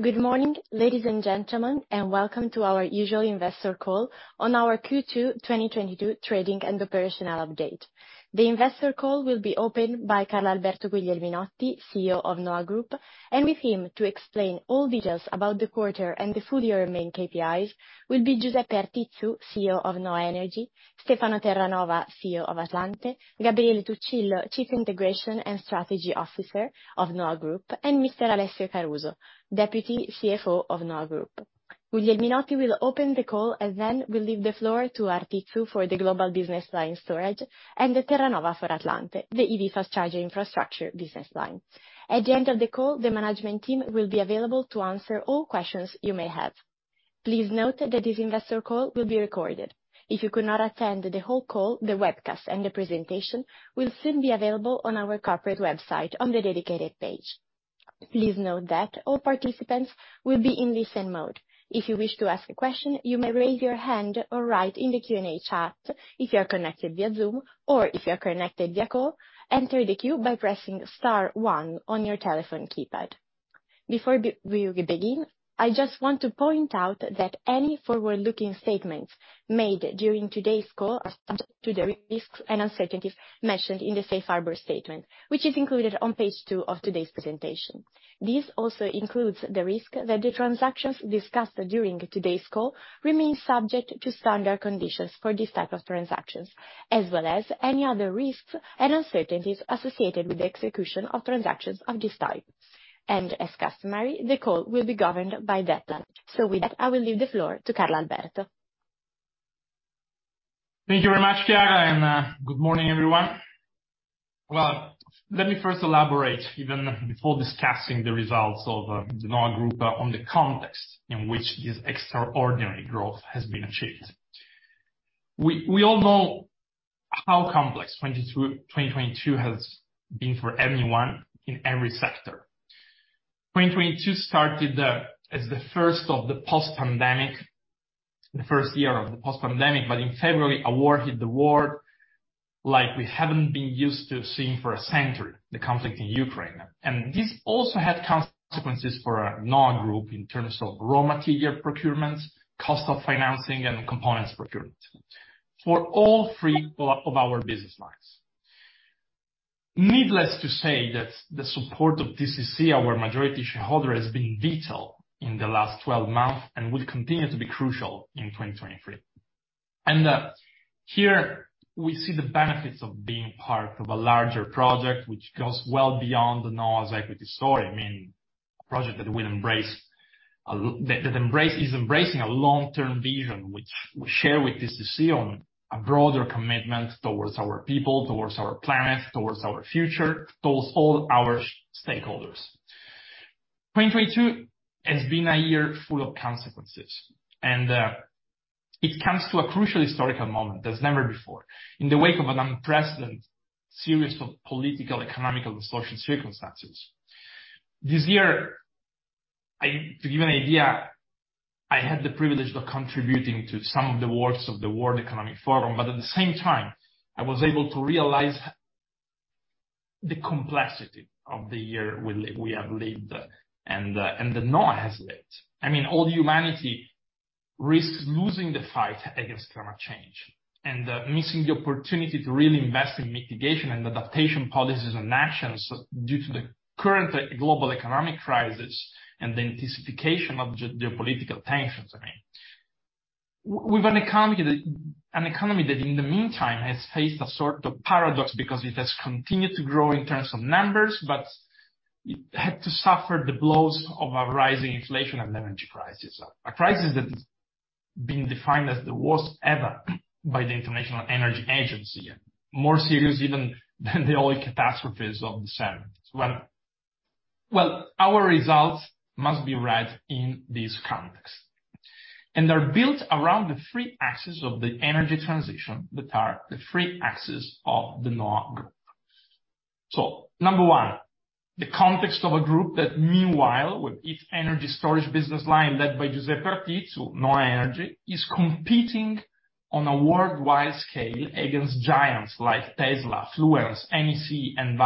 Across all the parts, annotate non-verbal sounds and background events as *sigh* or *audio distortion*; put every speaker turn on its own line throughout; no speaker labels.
Good morning, ladies and gentlemen, and welcome to our usual investor call on our Q2 2022 trading and operational update. The investor call will be opened by Carlalberto Guglielminotti, CEO of NHOA Group, and with him to explain all details about the quarter and the full year main KPIs will be Giuseppe Artizzu, CEO of NHOA Energy, Stefano Terranova, CEO of Atlante, Gabriele Tuccillo, Chief Integration and Strategy Officer of NHOA Group, and Mr. Alessio Caruso, Deputy CFO of NHOA Group. Guglielminotti will open the call and then will leave the floor to Artizzu for the global business line storage, and Terranova for Atlante, the EV fast-charging infrastructure business line. At the end of the call, the management team will be available to answer all questions you may have. Please note that this investor call will be recorded. If you could not attend the whole call, the webcast and the presentation will soon be available on our corporate website on the dedicated page. Please note that all participants will be in listen mode. If you wish to ask a question, you may raise your hand or write in the Q&A chat if you are connected via Zoom, or if you are connected via call, enter the queue by pressing star one on your telephone keypad. Before we begin, I just want to point out that any forward-looking statements made during today's call are subject to the risks and uncertainties mentioned in the safe harbor statement, which is included on page two of today's presentation. This also includes the risk that the transactions discussed during today's call remain subject to standard conditions for this type of transactions, as well as any other risks and uncertainties associated with the execution of transactions of this type. As customary, the call will be governed by that plan. With that, I will leave the floor to Carlalberto.
Thank you very much, Chiara. Good morning, everyone. Well, let me first elaborate, even before discussing the results of the NHOA Group on the context in which this extraordinary growth has been achieved. We all know how complex 2022 has been for anyone in every sector. 2022 started as the first of the post-pandemic, in February, a war hit the world like we haven't been used to seeing for a century, the conflict in Ukraine. This also had consequences for NHOA Group in terms of raw material procurements, cost of financing, and components procurement for all three of our business lines. Needless to say that the support of TCC, our majority shareholder, has been vital in the last 12 months and will continue to be crucial in 2023. Here we see the benefits of being part of a larger project which goes well beyond the NHOA's equity story. I mean, a project that will embrace a long-term vision which we share with TCC on a broader commitment towards our people, towards our planet, towards our future, towards all our stakeholders. 2022 has been a year full of consequences, it comes to a crucial historical moment as never before in the wake of an unprecedented series of political, economical, and social circumstances. This year, to give an idea, I had the privilege of contributing to some of the works of the World Economic Forum, but at the same time, I was able to realize the complexity of the year we have lived, and the NHOA has lived. I mean, all humanity risks losing the fight against climate change and missing the opportunity to really invest in mitigation and adaptation policies and actions due to the current global economic crisis and the intensification of geopolitical tensions, I mean. With an economy that, in the meantime, has faced a sort of paradox because it has continued to grow in terms of numbers, but it had to suffer the blows of a rising inflation and energy crisis. A crisis that is being defined as the worst ever by the International Energy Agency. More serious even than the oil catastrophes of the '70s. Well, our results must be read in this context. They're built around the three axes of the energy transition that are the three axes of the NHOA Group. Number one, the context of a group that meanwhile, with its energy storage business line led by Giuseppe Artizzu, NHOA Energy, is competing on a worldwide scale against giants like Tesla, Fluence, NEC, and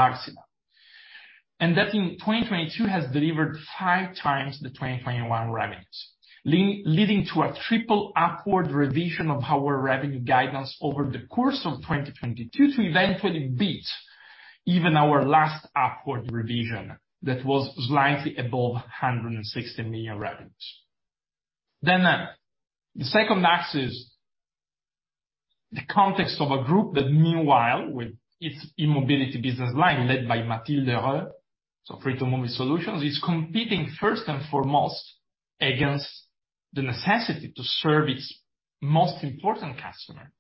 Wärtsilä. That in 2022 has delivered five times the 2021 revenues, leading to a triple upward revision of our revenue guidance over the course of 2022 to eventually beat even our last upward revision that was slightly above 160 million revenues. The second axis, the context of a group that meanwhile, with its e-mobility business line led by Mathilde Lheureux, so Free2move eSolutions, is competing first and foremost against the necessity to serve its most important customer,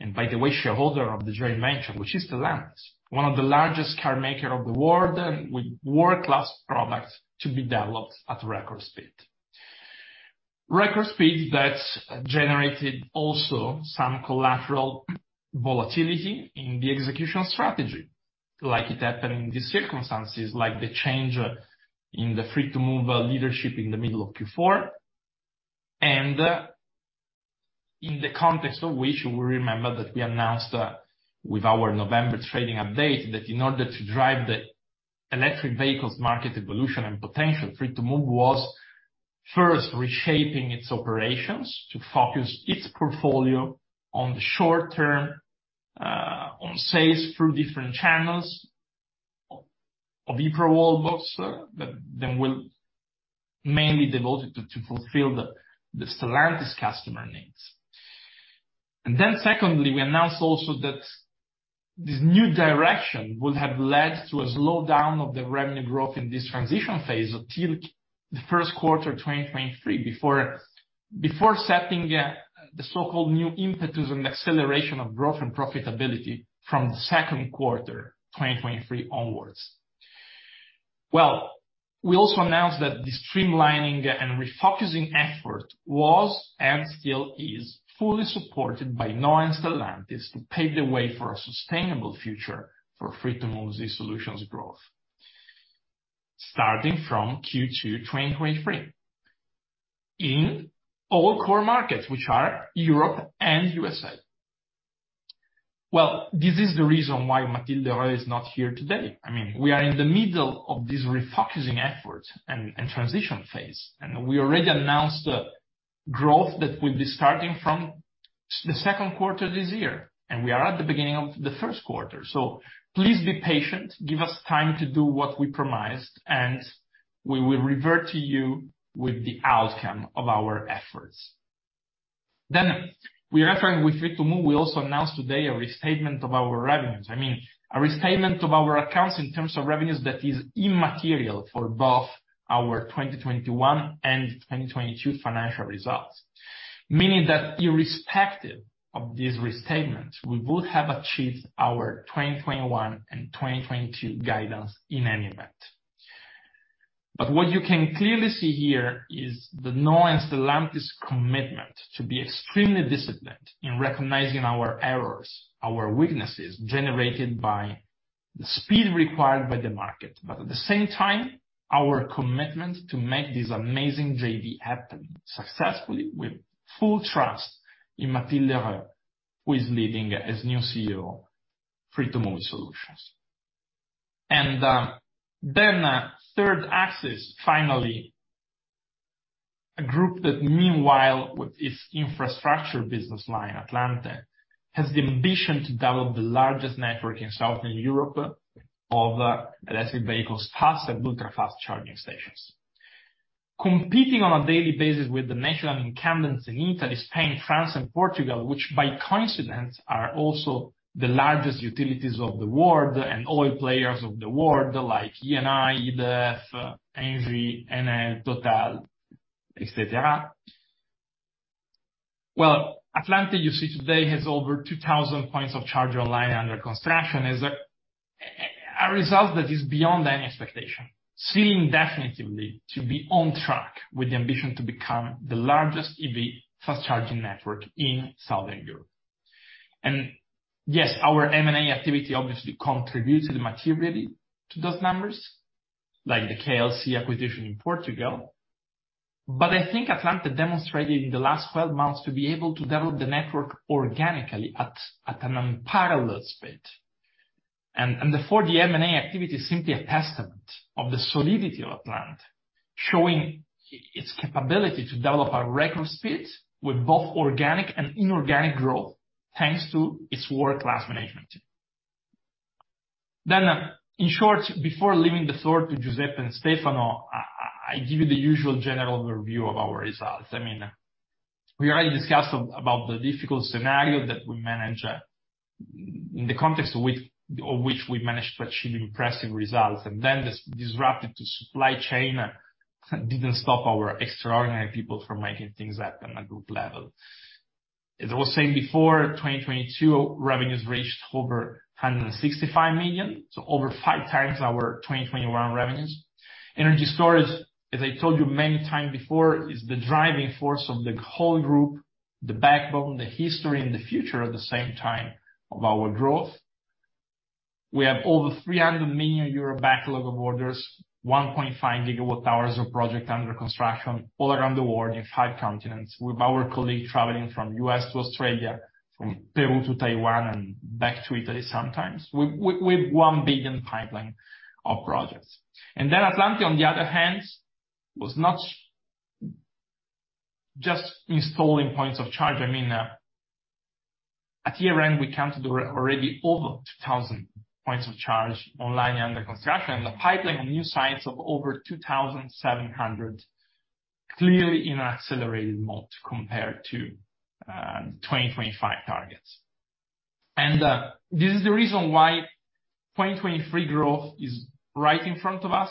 and by the way, shareholder of the joint venture, which is Stellantis, one of the largest car maker of the world with world-class products to be developed at record speed. Record speed that's generated also some collateral volatility in the execution strategy, like it happened in these circumstances, like the change in the Free2move leadership in the middle of Q4. In the context of which we remember that we announced with our November trading update that in order to drive the electric vehicles market evolution and potential, Free2move was first reshaping its operations to focus its portfolio on the short term on sales through different channels of eProWallbox, then will mainly devoted to fulfill the Stellantis customer needs. Secondly, we announced also that this new direction would have led to a slowdown of the revenue growth in this transition phase until the Q1 2023, before setting the so-called new impetus and acceleration of growth and profitability from the Q2 2023 onwards. We also announced that the streamlining and refocusing effort was and still is fully supported by NHOA Stellantis to pave the way for a sustainable future for Free2move eSolutions growth. Starting from Q2 2023. In all core markets, which are Europe and USA. This is the reason why Matilde is not here today. I mean, we are in the middle of this refocusing effort and transition phase, and we already announced the growth that will be starting from the Q2 this year, and we are at the beginning of the Q1. Please be patient. Give us time to do what we promised, and we will revert to you with the outcome of our efforts. We are referring with Free2move, we also announced today a restatement of our revenues. I mean, a restatement of our accounts in terms of revenues that is immaterial for both our 2021 and 2022 financial results, meaning that irrespective of these restatements, we would have achieved our 2021 and 2022 guidance in any event. What you can clearly see here is the NHOA Stellantis commitment to be extremely disciplined in recognizing our errors, our weaknesses generated by the speed required by the market, but at the same time, our commitment to make this amazing JV happen successfully with full trust in Matilde, who is leading as new CEO, Free2move eSolutions. Then a third axis, finally, a group that meanwhile with its infrastructure business line, Atlante, has the ambition to develop the largest network in Southern Europe of electric vehicles, fast and ultra-fast charging stations. Competing on a daily basis with the national incumbents in Italy, Spain, France, and Portugal, which by coincidence, are also the largest utilities of the world and oil players of the world, like Eni, EDF, Engie, Enel, Total, et cetera. Atlante you see today has over 2,000 points of charge online under construction. Is a result that is beyond any expectation, seeming definitively to be on track with the ambition to become the largest EV fast charging network in Southern Europe. Yes, our M&A activity obviously contributes materially to those numbers, like the KLC acquisition in Portugal. I think Atlante demonstrated in the last 12 months to be able to develop the network organically at an unparalleled speed. The 40 M&A activity is simply a testament of the solidity of Atlante, showing its capability to develop a record speed with both organic and inorganic growth, thanks to its world-class management. In short, before leaving the floor to Giuseppe and Stefano, I give you the usual general overview of our results. I mean, we already discussed about the difficult scenario that we managed in the context of which we managed to achieve impressive results. This disrupted supply chain didn't stop our extraordinary people from making things happen at Group level. As I was saying before, 2022 revenues reached over 165 million, so over 5 times our 2021 revenues. Energy storage, as I told you many times before, is the driving force of the whole Group, the backbone, the history and the future at the same time of our growth. We have over 300 million euro backlog of orders, 1.5 GWh of project under construction all around the world in 5 continents, with our colleagues traveling from U.S. to Australia, from Peru to Taiwan and back to Italy sometimes. We've 1 billion pipeline of projects. Atlante, on the other hand, was not just installing points of charge. I mean, at year-end, we counted already over 2,000 points of charge online under construction. The pipeline of new sites of over 2,700 clearly in accelerated mode compared to 2025 targets. This is the reason why 2023 growth is right in front of us,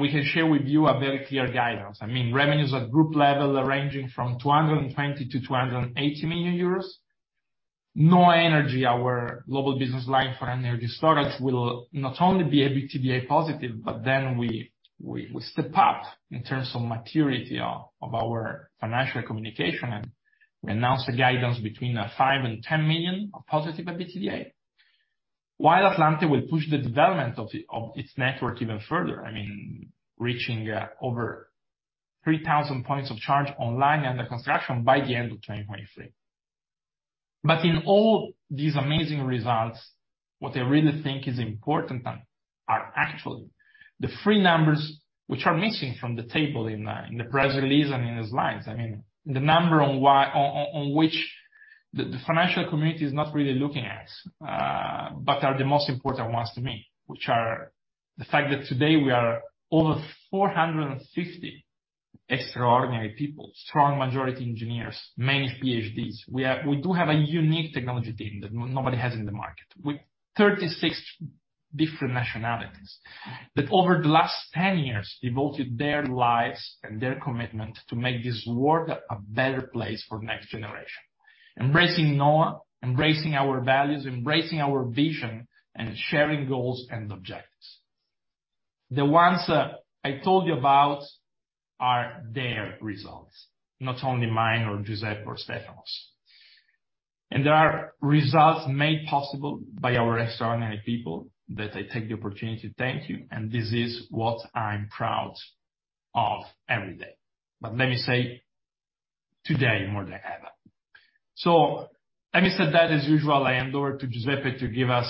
we can share with you a very clear guidance. I mean, revenues at group level ranging from 220 million-280 million euros. NHOA Energy, our global business line for energy storage, will not only be EBITDA positive, we step up in terms of maturity of our financial communication, we announce a guidance between 5 million and 10 million of positive EBITDA. Atlante will push the development of its network even further, I mean, reaching over 3,000 points of charge online under construction by the end of 2023. In all these amazing results, what I really think is important are actually the three numbers which are missing from the table in the press release and in the slides. I mean, the number on which the financial community is not really looking at, but are the most important ones to me, which are the fact that today we are over 450 extraordinary people, strong majority engineers, many PhDs. We do have a unique technology team that nobody has in the market, with 36 different nationalities. That over the last 10 years devoted their lives and their commitment to make this world a better place for next generation. Embracing NHOA, embracing our values, embracing our vision and sharing goals and objectives. The ones I told you about are their results, not only mine or Giuseppe's or Stefano's. They are results made possible by our extraordinary people that I take the opportunity to thank you, and this is what I'm proud of every day. Let me say today more than ever. Having said that, as usual, I hand over to Giuseppe to give us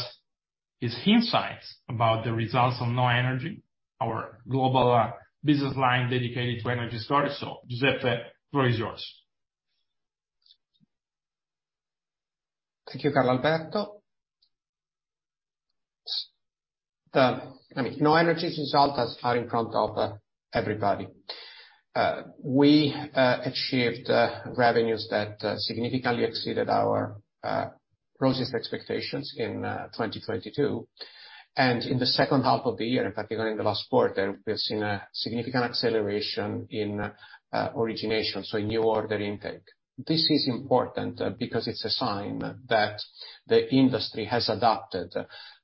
his insights about the results of NHOA Energy, our global business line dedicated to energy storage. Giuseppe, the floor is yours.
Thank you, Carlalberto. I mean, NHOA Energy's results are in front of everybody. We achieved revenues that significantly exceeded our rosiest expectations in 2022. In the H2 of the year, in particular in the last quarter, we have seen a significant acceleration in origination, so in new order intake. This is important because it's a sign that the industry has adapted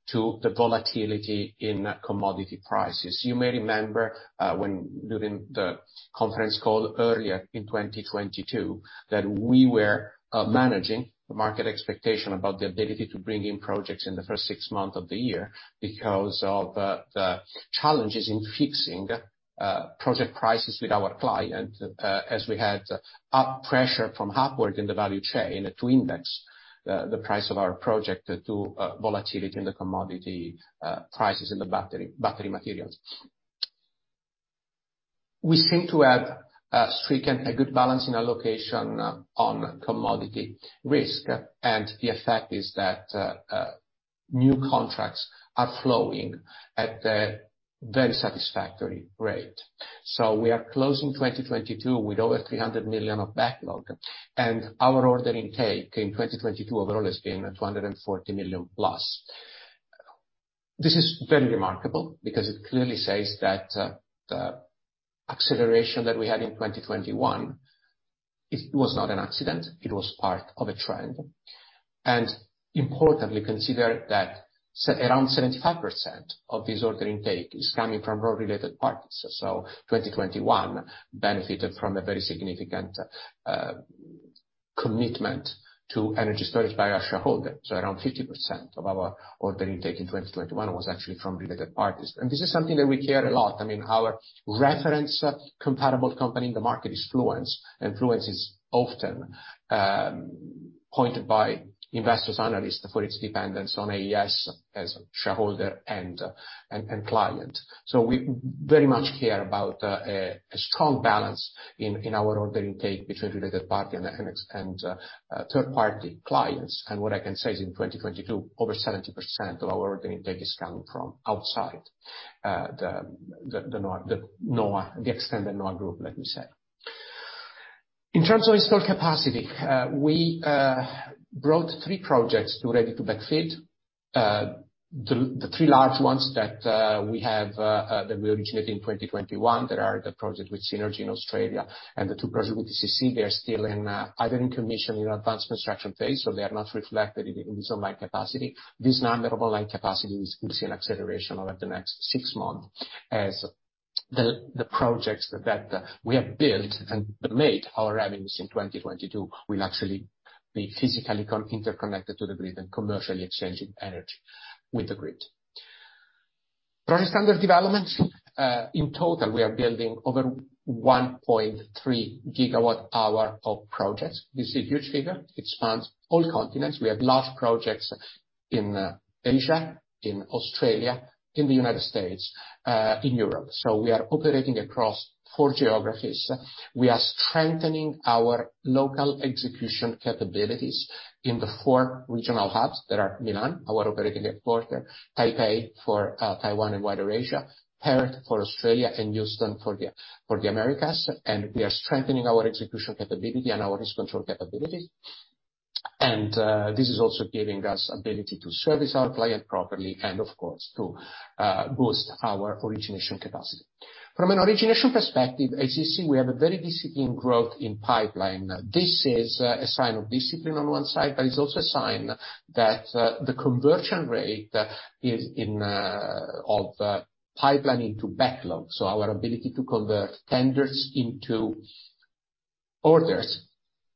to the volatility in commodity prices. You may remember, when doing the conference call earlier in 2022, that we were managing the market expectation about the ability to bring in projects in the first six months of the year because of the challenges in fixing project prices with our client, as we had up pressure from upward in the value chain to index the price of our project to volatility in the commodity prices in the battery materials. We seem to have stricken a good balance in our location on commodity risk, and the effect is that new contracts are flowing at a very satisfactory rate. We are closing 2022 with over 300 million of backlog, and our order intake in 2022 overall has been at 240+ million. This is very remarkable because it clearly says that the acceleration that we had in 2021, it was not an accident, it was part of a trend. Importantly, consider that around 75% of this order intake is coming from related parties. 2021 benefited from a very significant commitment to energy storage by our shareholder. Around 50% of our order intake in 2021 was actually from related parties. This is something that we care a lot. I mean, our reference compatible company in the market is Fluence, and Fluence is often pointed by investors, analysts for its dependence on AES as a shareholder and client. We very much care about a strong balance in our order intake between related party and third party clients. What I can say is in 2022, over 70% of our order intake is coming from outside, the extended NHOA Group, let me say. In terms of installed capacity, we brought three projects to ready to backfill. The three large ones that we have that we originated in 2021, that are the project with Synergy in Australia and the two project with ECC, they are still in either in commission in advanced contruction phase, so they are not reflected in this online capacity. This number of online capacity will see an acceleration over the next six months as the projects that we have built and made our revenues in 2022 will actually be physically interconnected to the grid and commercially exchanging energy with the grid. Project under development. In total, we are building over 1.3 GWh of projects. This is a huge figure. It spans all continents. We have large projects in Asia, in Australia, in the United States, in Europe. We are operating across four geographies. We are strengthening our local execution capabilities in the four regional hubs that are Milan, our operating headquarter, Taipei for Taiwan and wider Asia, Perth for Australia and Houston for the Americas. We are strengthening our execution capability and our risk control capability. This is also giving us ability to service our client properly and of course to boost our origination capacity. From an origination perspective, as you see, we have a very discipline growth in pipeline. This is a sign of discipline on one side, but it's also a sign that the conversion rate of pipeline into backlog, so our ability to convert tenders into orders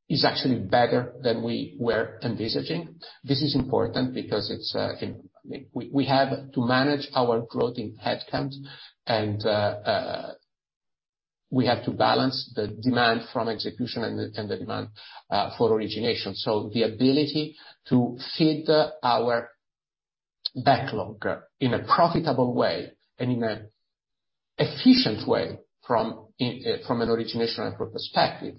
is actually better than we were envisaging. This is important because it's, we have to manage our growth in headcount and we have to balance the demand from execution and the demand for origination. So the ability to feed our backlog in a profitable way and in a efficient way from an origination perspective,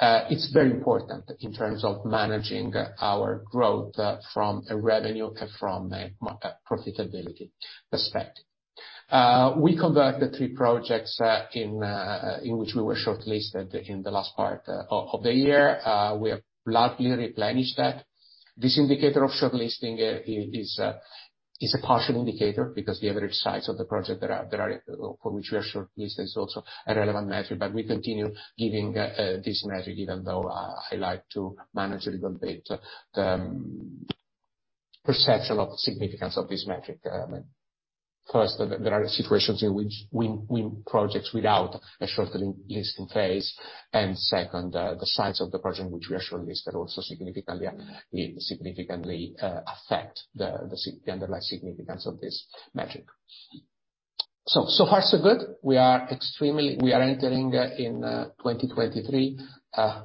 it's very important in terms of managing our growth from a revenue and from a profitability perspective. We convert the three projects in which we were shortlisted in the last part of the year. We have largely replenished that. This indicator of shortlisting is a partial indicator because the average size of the project for which we are shortlisted is also a relevant metric. We continue giving this metric, even though I like to manage a little bit the perception of significance of this metric. First there are situations in which win-win projects without a shortlisting phase. Second, the size of the project which we are shortlisted also significantly affect the underlying significance of this metric. So far so good. We are entering in 2023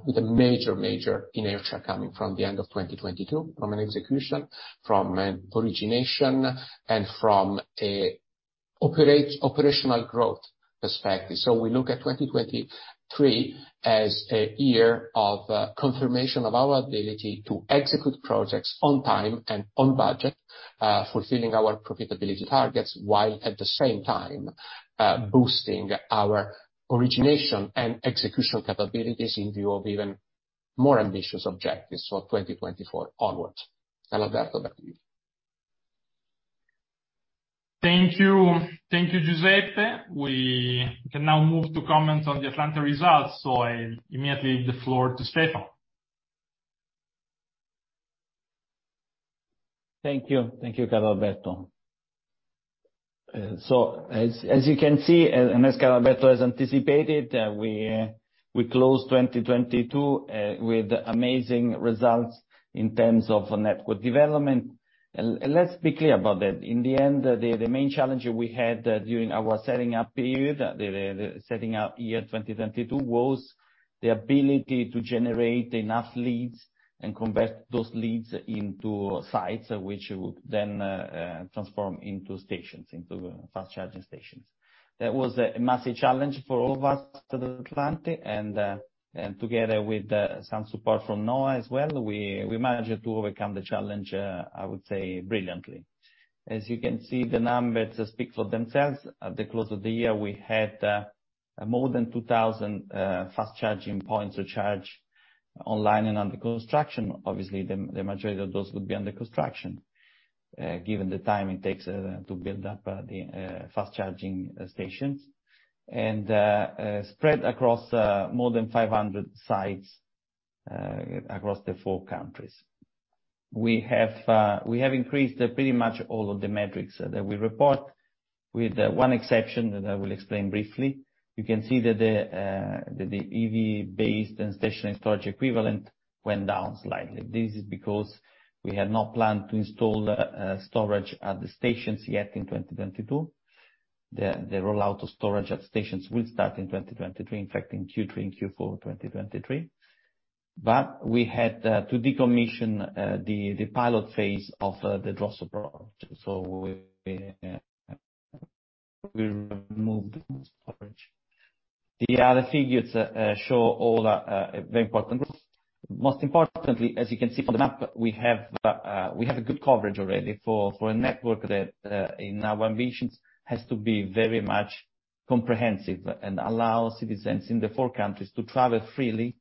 with a major inertia coming from the end of 2022 from an execution, from an origination, and from an operational growth perspective. We look at 2023 as a year of confirmation of our ability to execute projects on time and on budget, fulfilling our profitability targets, while at the same time, boosting our origination and execution capabilities in view of even more ambitious objectives for 2024 onwards. Carlalberto, back to you.
Thank you. Thank you, Giuseppe. We can now move to comments on the Atlante results. I immediately give the floor to Stefano.
Thank you. Thank you, Carlalberto. as you can see, and as Carlalberto has anticipated, we closed 2022 with amazing results in terms of network development. Let's be clear about that. In the end, the main challenge we had during our setting up period, the setting up year, 2022, was the ability to generate enough leads and convert those leads into sites which would then transform into stations, into fast charging stations. That was a massive challenge for all of us at Atlante and together with some support from NHOA as well, we managed to overcome the challenge, I would say brilliantly. As you can see, the numbers speak for themselves. At the close of the year, we had more than 2,000 fast charging points of charge online and under construction. Obviously, the majority of those would be under construction, given the time it takes to build up the fast charging stations. Spread across more than 500 sites across the four countries. We have increased pretty much all of the metrics that we report, with one exception that I will explain briefly. You can see that the EV based and stationary storage equivalent went down slightly. This is because we had not planned to install storage at the stations yet in 2022. The rollout of storage at stations will start in 2023, in fact, in Q3 and Q4 2023. We had to decommission the pilot phase of the Drossel project. We removed storage. The other figures show all the very important growth. Most importantly, as you can see from the map, we have a good coverage already for a network that in our ambitions, has to be very much comprehensive and allow citizens in the 4 countries to travel freely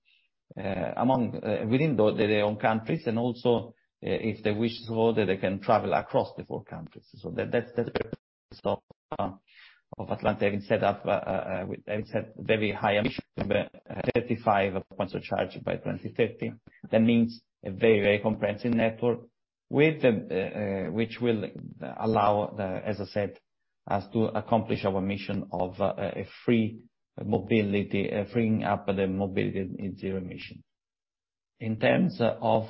among within their own countries. Also, if they wish so, that they can travel across the four countries. That, that's of Atlante set up with, as I said, very high ambition, 35 points of charge by 2050. That means a very, very comprehensive network with the, which will allow as I said, us to accomplish our mission of a free mobility, freeing up the mobility in zero emission. In terms of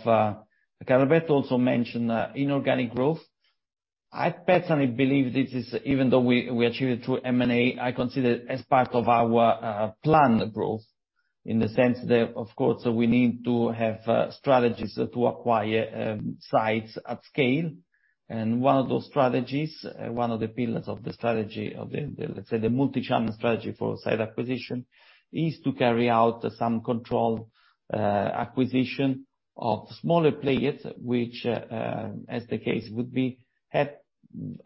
Carlalberto also mentioned inorganic growth. I personally believe this is, even though we achieved it through M&A, I consider it as part of our planned growth in the sense that, of course, we need to have strategies to acquire sites at scale. And one of those strategies, one of the pillars of the strategy of the let's say, the multi-channel strategy for site acquisition, is to carry out some controlled acquisition of smaller players, which as the case would be, had,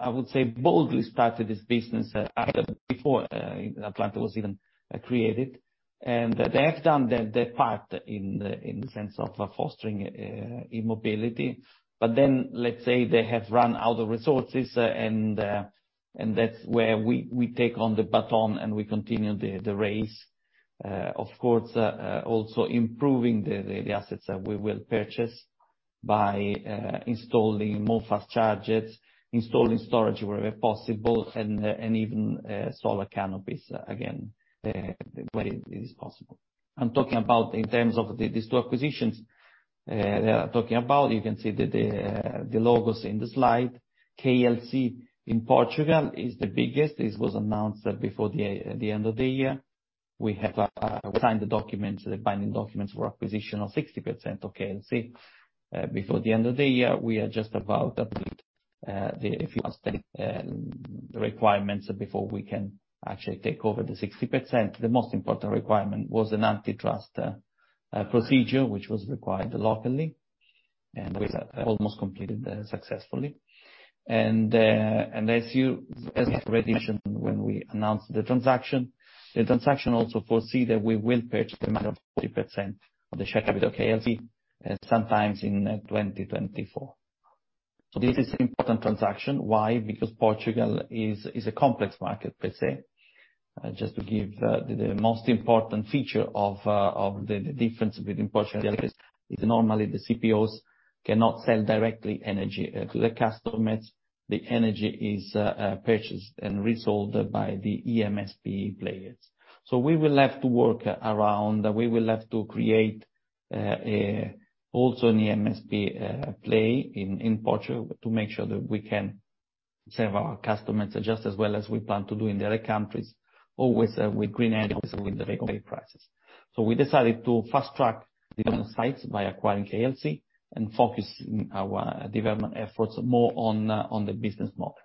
I would say, boldly started this business at, before Atlante was even created. They have done their part in the sense of fostering e-mobility. Let's say they have run out of resources, and that's where we take on the baton and we continue the race. Of course, also improving the assets that we will purchase by installing more fast chargers, installing storage wherever possible, and even solar canopies, again, where it is possible. I'm talking about in terms of these two acquisitions that I'm talking about, you can see the logos in the slide. KLC in Portugal is the biggest. This was announced before the end of the year. We have signed the documents, the binding documents for acquisition of 60% of KLC before the end of the year. We are just about to complete a few last requirements before we can actually take over the 60%. The most important requirement was an antitrust procedure, which was required locally, and we have almost completed that successfully. As we already mentioned when we announced the transaction, the transaction also foresee that we will purchase the remaining 40% of the share capital of KLC sometimes in 2024. This is important transaction. Why? Because Portugal is a complex market per se. Just to give the most important feature of the difference between Portugal is normally the CPOs cannot sell directly energy to the customers. The energy is purchased and resold by the EMSP players. We will have to work around. We will have to create also an EMSP play in Portugal to make sure that we can serve our customers just as well as we plan to do in the other countries, always with green energy, with the regulated prices. We decided to fast-track different sites by acquiring KLC and focus our development efforts more on the business model.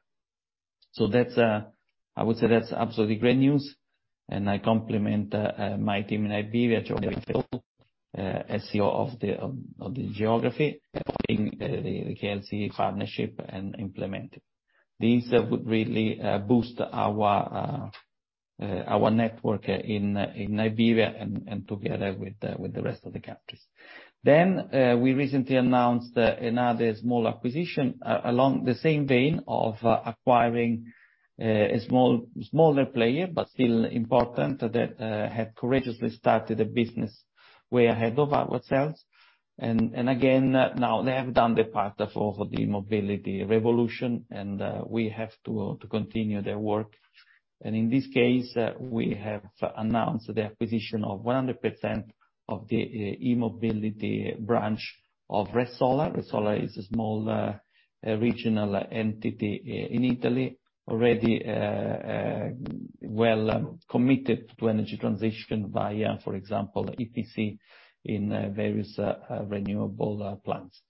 That's, I would say that's absolutely great news, and I compliment my team in Iberia, Giovanni Fiolo, CEO of the geography, in the KLC partnership and implement. This would really boost our network in Iberia and together with the rest of the countries. We recently announced another small acquisition along the same vein of acquiring a small, smaller player, but still important that have courageously started a business way ahead of ourselves. Again, now they have done their part of the mobility revolution, and we have to continue their work. In this case, we have announced the acquisition of 100% of the e-mobility branch of Resola. Resola is a small, regional entity in Italy, already well committed to energy transition via, for example, EPC in various renewable plants.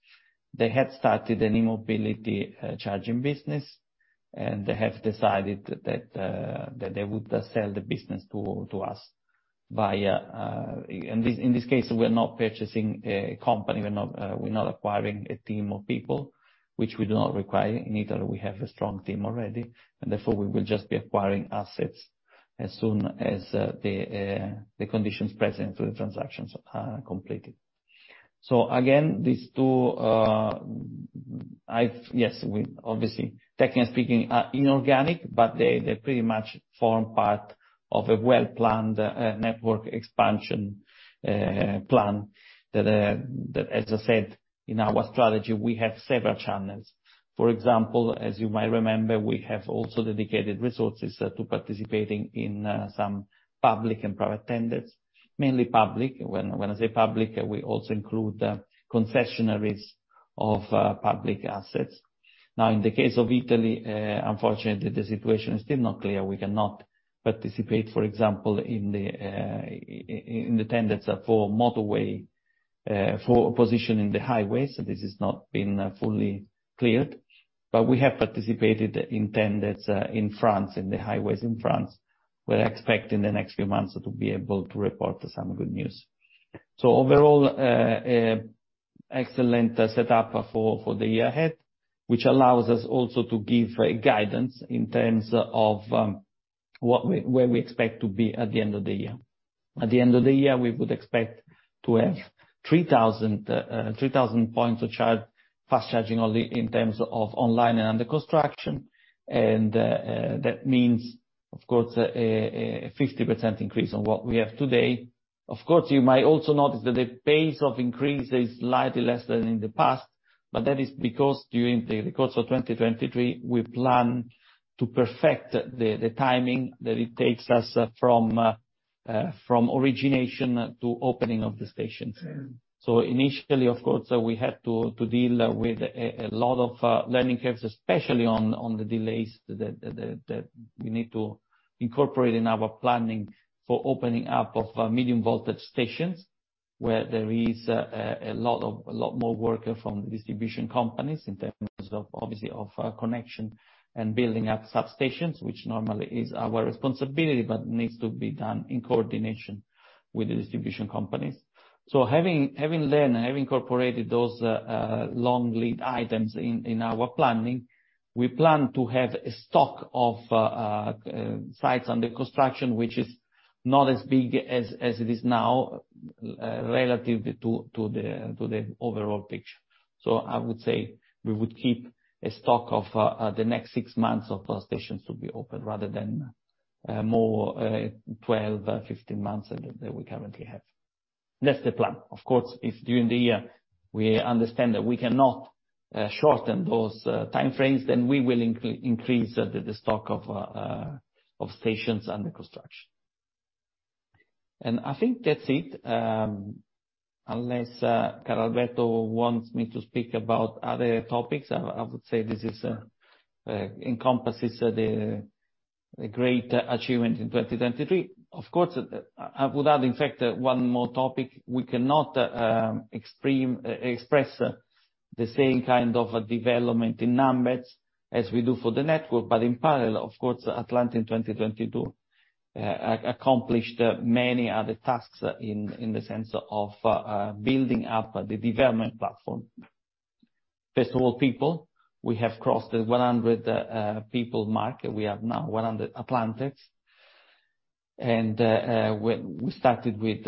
They had started an e-mobility charging business, and they have decided that they would sell the business to us via... In this case, we're not purchasing a company. We're not acquiring a team of people, which we do not require. In Italy, we have a strong team already, and therefore, we will just be acquiring assets as soon as the conditions present for the transactions are completed. Yes, we obviously, technically speaking, are inorganic, but they pretty much form part of a well-planned network expansion plan that, as I said, in our strategy, we have several channels. For example, as you might remember, we have also dedicated resources to participating in some public and private tenders, mainly public. When I say public, we also include concessionaries of public assets. Now, in the case of Italy, unfortunately, the situation is still not clear. We cannot participate, for example, in the tenders for motorway for position in the highways. This has not been fully cleared. We have participated in tenders in France, in the highways in France. We're expecting the next few months to be able to report some good news. Overall excellent setup for the year ahead, which allows us also to give a guidance in terms of what we expect to be at the end of the year. At the end of the year, we would expect to have 3,000 points of charge, fast charging only in terms of online and under construction. That means, of course, a 50% increase on what we have today. Of course, you might also notice that the pace of increase is slightly less than in the past, but that is because during the course of 2023, we plan to perfect the timing that it takes us from origination to opening of the stations. So initially, of course, we had to deal with a lot of learning curves, especially on the delays that we need to incorporate in our planning for opening up of medium voltage stations, where there is a lot more work from the distribution companies in terms of, obviously, of connection and building up substations, which normally is our responsibility, but needs to be done in coordination with the distribution companies. Having learned and having incorporated those long lead items in our planning, we plan to have a stock of sites under construction, which is not as big as it is now, relative to the overall picture. I would say we would keep a stock of the next 6 months of those stations to be opened rather than more 12 or 15 months that we currently have. That's the plan. Of course, if during the year we understand that we cannot shorten those time frames, then we will increase the stock of stations under construction. I think that's it. Unless Carlalberto wants me to speak about other topics, I would say this encompasses the great achievement in 2023. Of course, I would add, in fact, one more topic. We cannot express the same kind of development in numbers as we do for the network. In parallel, of course, Atlante in 2022 accomplished many other tasks in the sense of building up the development platform. First of all, people. We have crossed the 100 people mark. We have now 100 Atlantes. We started with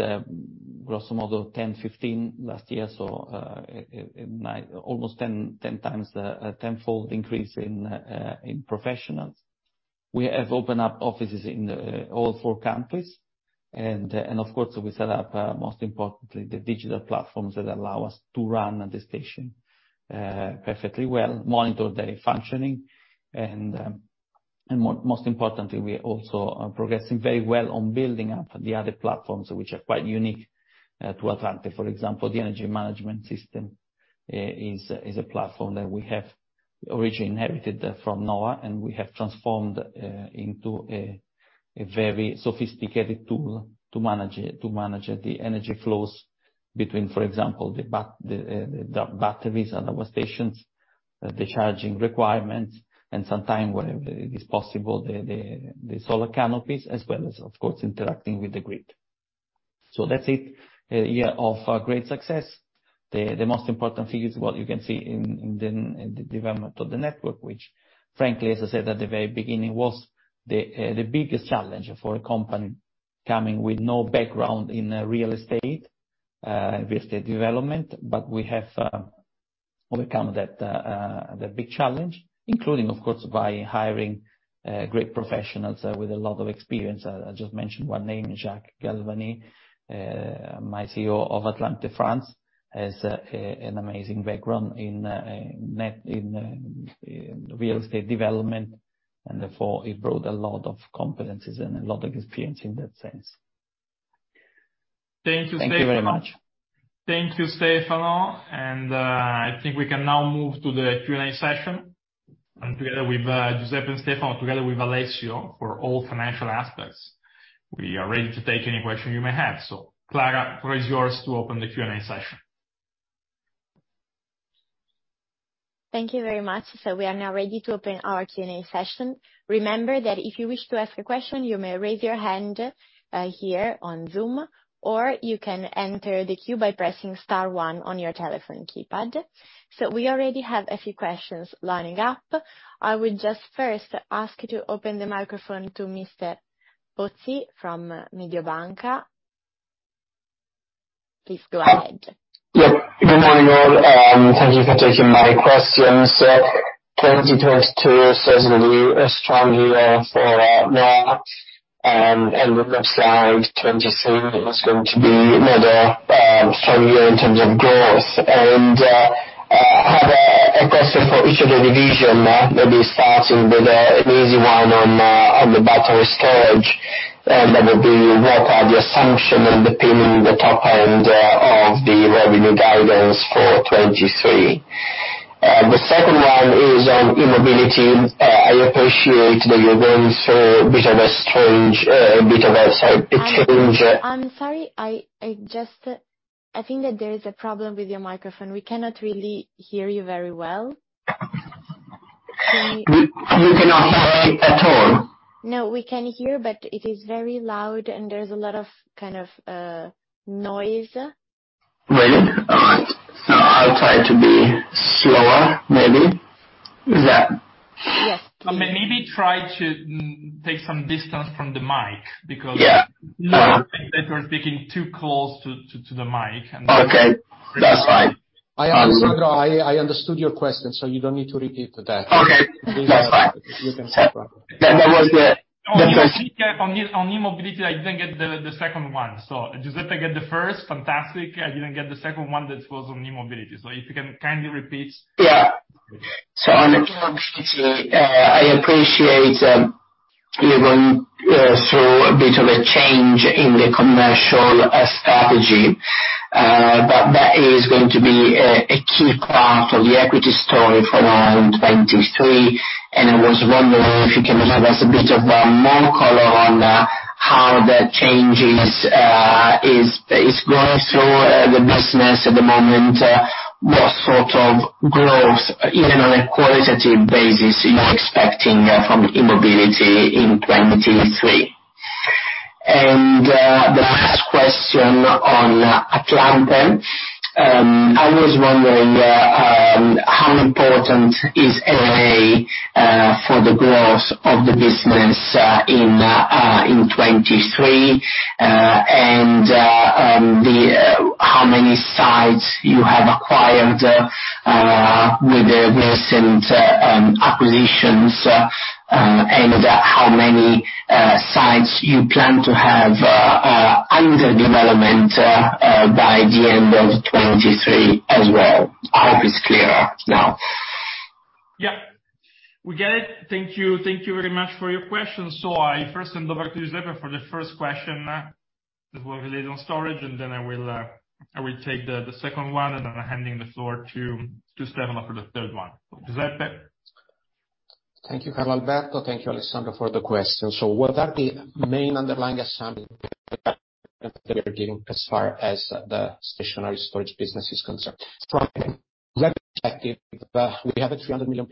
gross model 10, 15 last year. Almost 10 times, tenfold increase in professionals. We have opened up offices in all four countries. Of course, we set up, most importantly, the digital platforms that allow us to run the station perfectly well, monitor the functioning and, most importantly, we also are progressing very well on building up the other platforms which are quite unique to Atlante. For example, the energy management system is a platform that we have originally inherited from NHOA, and we have transformed into a very sophisticated tool to manage the energy flows between, for example, the batteries at our stations, the charging requirements, and sometime, whenever it is possible, the solar canopies, as well as, of course, interacting with the grid. That's it. A year of great success. The most important figure is what you can see in the development of the network, which frankly, as I said at the very beginning, was the biggest challenge for a company coming with no background in real estate development. We have overcome that the big challenge, including, of course, by hiring great professionals with a lot of experience. I just mentioned one name, Jacques Galvani, my CEO of Atlante France, has an amazing background in real estate development and therefore he brought a lot of competencies and a lot of experience in that sense.
Thank you, Stefano.
Thank you very much.
Thank you, Stefano. I think we can now move to the Q&A session. Together with Giuseppe and Stefano, together with Alessio for all financial aspects, we are ready to take any question you may have. Clara, the floor is yours to open the Q&A session.
Thank you very much. We are now ready to open our Q&A session. Remember that if you wish to ask a question, you may raise your hand here on Zoom, or you can enter the queue by pressing star one on your telephone keypad. We already have a few questions lining up. I will just first ask you to open the microphone to Mr. Pozzi from Mediobanca. Please go ahead.
Good morning, all. Thank you for taking my questions. 2022 certainly a strong year for NHOA. It looks like 2023 is going to be another strong year in terms of growth. I have a question for each of the division. Maybe starting with an easy one on the battery storage, that would be what are the assumption and the P&L in the top end of the revenue guidance for 2023? The second one is on e-mobility. I appreciate that you're going through a bit of a change-
I'm sorry. I think that there is a problem with your microphone. We cannot really hear you very well.
We cannot hear at all?
No, we can hear, but it is very loud and there's a lot of kind of, noise.
Really? All right. I'll try to be slower maybe.
Yes.
Maybe try to take some distance from the mic because.
Yeah.
It sounds like you're speaking too close to the mic.
Okay. That's fine.
I understand. I understood your question, you don't need to repeat that.
Okay. That's fine.
We can start.
That was it. The first-
On e-mobility, I didn't get the second one. Giuseppe get the first, fantastic. I didn't get the second one that was on e-mobility. If you can kindly repeat.
On eMobility, I appreciate you're going through a bit of a change in the commercial strategy. But that is going to be a key part of the equity story for 2023. I was wondering if you can give us a bit of more color on how that change is going through the business at the moment. What sort of growth, even on a qualitative basis, you're expecting from eMobility in 2023? The last question on Atlante. I was wondering how important is L.A. for the growth of the business in 2023 and how many sites you have acquired with the recent acquisitions and how many sites you plan to have under development by the end of 2023 as well? I hope it's clearer now.
Yeah. We get it. Thank you. Thank you very much for your question. I first send over to Giuseppe for the first question that was related on storage, and then I will take the second one, and then I'm handing the floor to Stefano for the third one. Giuseppe.
Thank you, Carlalberto. Thank you, Alessandro, for the question. What are the main underlying assumptions that we are giving as far as the stationary storage business is concerned? From a revenue perspective, we have a 300+ million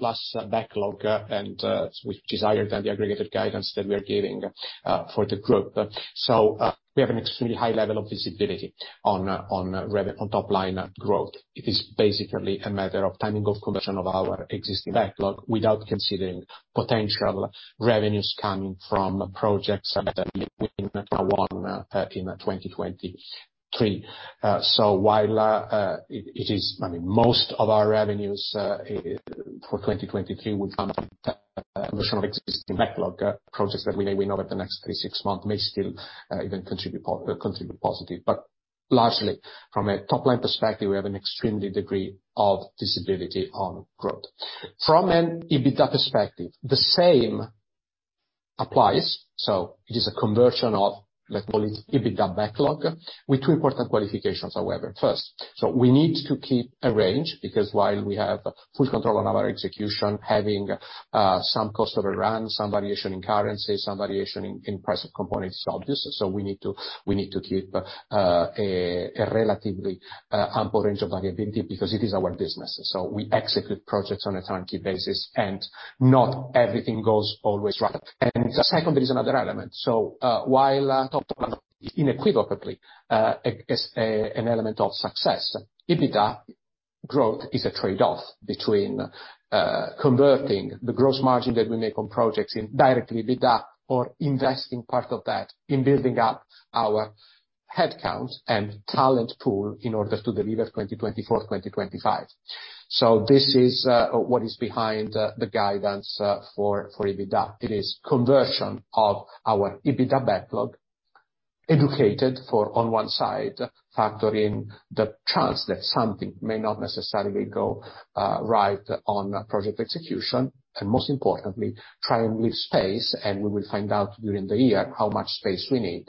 backlog, and which is higher than the aggregated guidance that we are giving for the group. We have an extremely high level of visibility on top line growth. It is basically a matter of timing of conversion of our existing backlog without considering potential revenues coming from projects that won in 2023. While it is... I mean, most of our revenues for 2023 will come from conversion of existing backlog. Projects that we may win over the next three-six months may still even contribute positive. Largely, from a top line perspective, we have an extremely degree of visibility on growth. From an EBITDA perspective, the same applies. It is a conversion of, let's call it, EBITDA backlog, with two important qualifications, however. First, we need to keep a range, because while we have full control on our execution, having some cost overrun, some variation in currency, some variation in price of components, obviously. We need to, we need to keep a relatively ample range of viability because it is our business. We execute projects on a turnkey basis, and not everything goes always right. The second, there is another element. While top line is unequivocally is an element of success, EBITDA growth is a trade-off between converting the gross margin that we make on projects in direct EBITDA or investing part of that in building up our headcount and talent pool in order to deliver 2024, 2025. This is what is behind the guidance for EBITDA. It is conversion of our EBITDA backlog, educated for, on one side, factor in the chance that something may not necessarily go right on project execution, and most importantly, try and leave space, and we will find out during the year how much space we need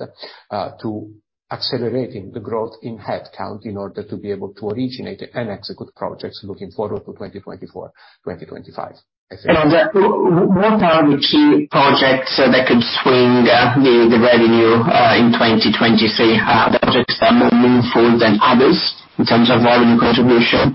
to accelerating the growth in headcount in order to be able to originate and execute projects looking forward to 2024, 2025.
What are the key projects that could swing the revenue in 2023? The projects that are more meaningful than others in terms of volume contribution?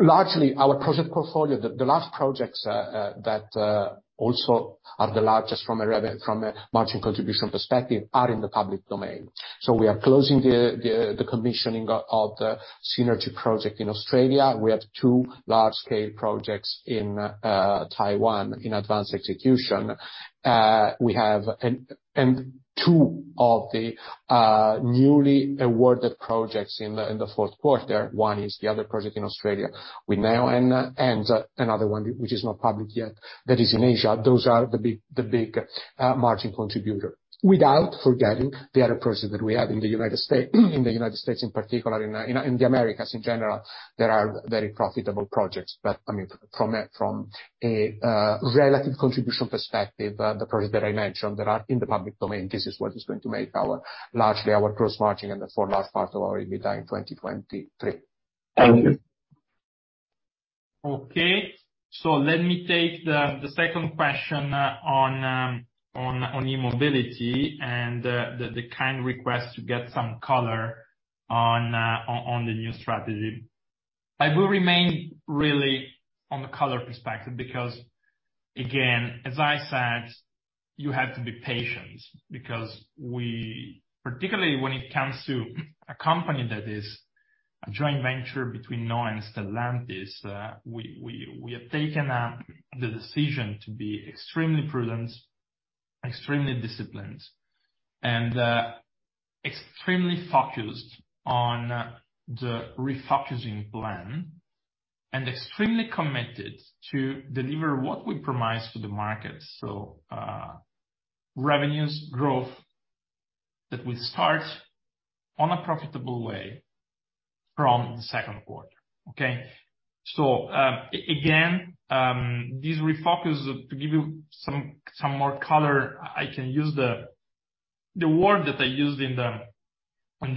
Largely, our project portfolio, the last projects that also are the largest from a margin contribution perspective are in the public domain. We are closing the commissioning of the Synergy project in Australia. We have two large-scale projects in Taiwan in advanced execution. Two of the newly awarded projects in the Q4, one is the other project in Australia. Another one which is not public yet that is in Asia. Those are the big margin contributor. Without forgetting the other projects that we have in the United States, in particular, in the Americas in general, there are very profitable projects. I mean, from a relative contribution perspective, the projects that I mentioned that are in the public domain, this is what is going to make our, largely our gross margin and the for large part of our EBITDA in 2023.
Thank you.
Okay. Let me take the second question on e-mobility and the kind request to get some color on the new strategy. I will remain really on the color perspective because, again, as I said, you have to be patient because particularly when it comes to a company that is a joint venture between NHOA and Stellantis, we have taken the decision to be extremely prudent, extremely disciplined, and extremely focused on the refocusing plan and extremely committed to deliver what we promised to the market. Revenues growth that will start on a profitable way from the Q2. Okay? Again, this refocus, to give you some more color, I can use the word that I used in the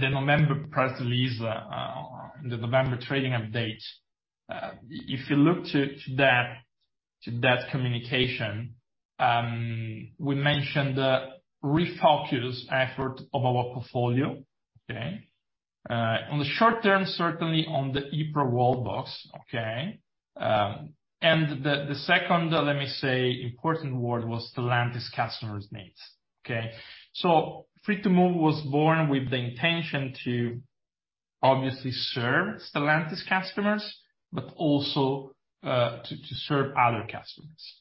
November press release, in the November trading update. If you look to that communication, we mentioned the refocus effort of our portfolio. Okay? On the short term, certainly on the eProWallbox. Okay? And the second, let me say, important word was Stellantis customers needs. Okay? Free2move was born with the intention to obviously serve Stellantis customers, but also to serve other customers.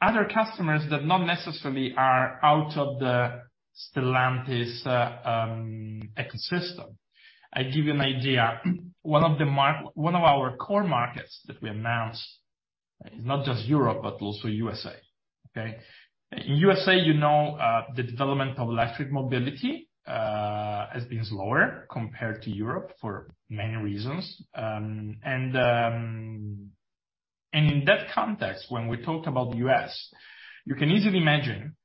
Other customers that not necessarily are out of the Stellantis ecosystem. I give you an idea, one of our core markets that we announced is not just Europe, but also USA, okay? In USA, you know, the development of electric mobility has been slower compared to Europe for many reasons. In that context, when we talk about the U.S., you can easily imagine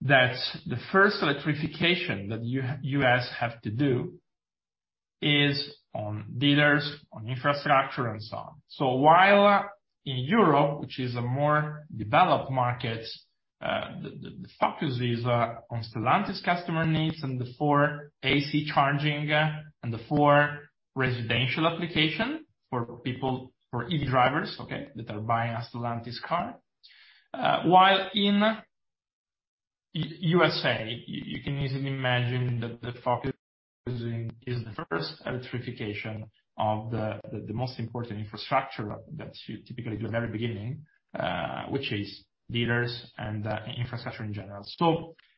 that the first electrification that U.S. have to do is on dealers, on infrastructure and so on. While in Europe, which is a more developed market, the focus is on Stellantis customer needs and the four AC charging and the four residential application for people, for EV drivers, okay? That are buying a Stellantis car. While in USA, you can easily imagine that the focus is the first electrification of the most important infrastructure that you typically do in every beginning, which is dealers and infrastructure in general.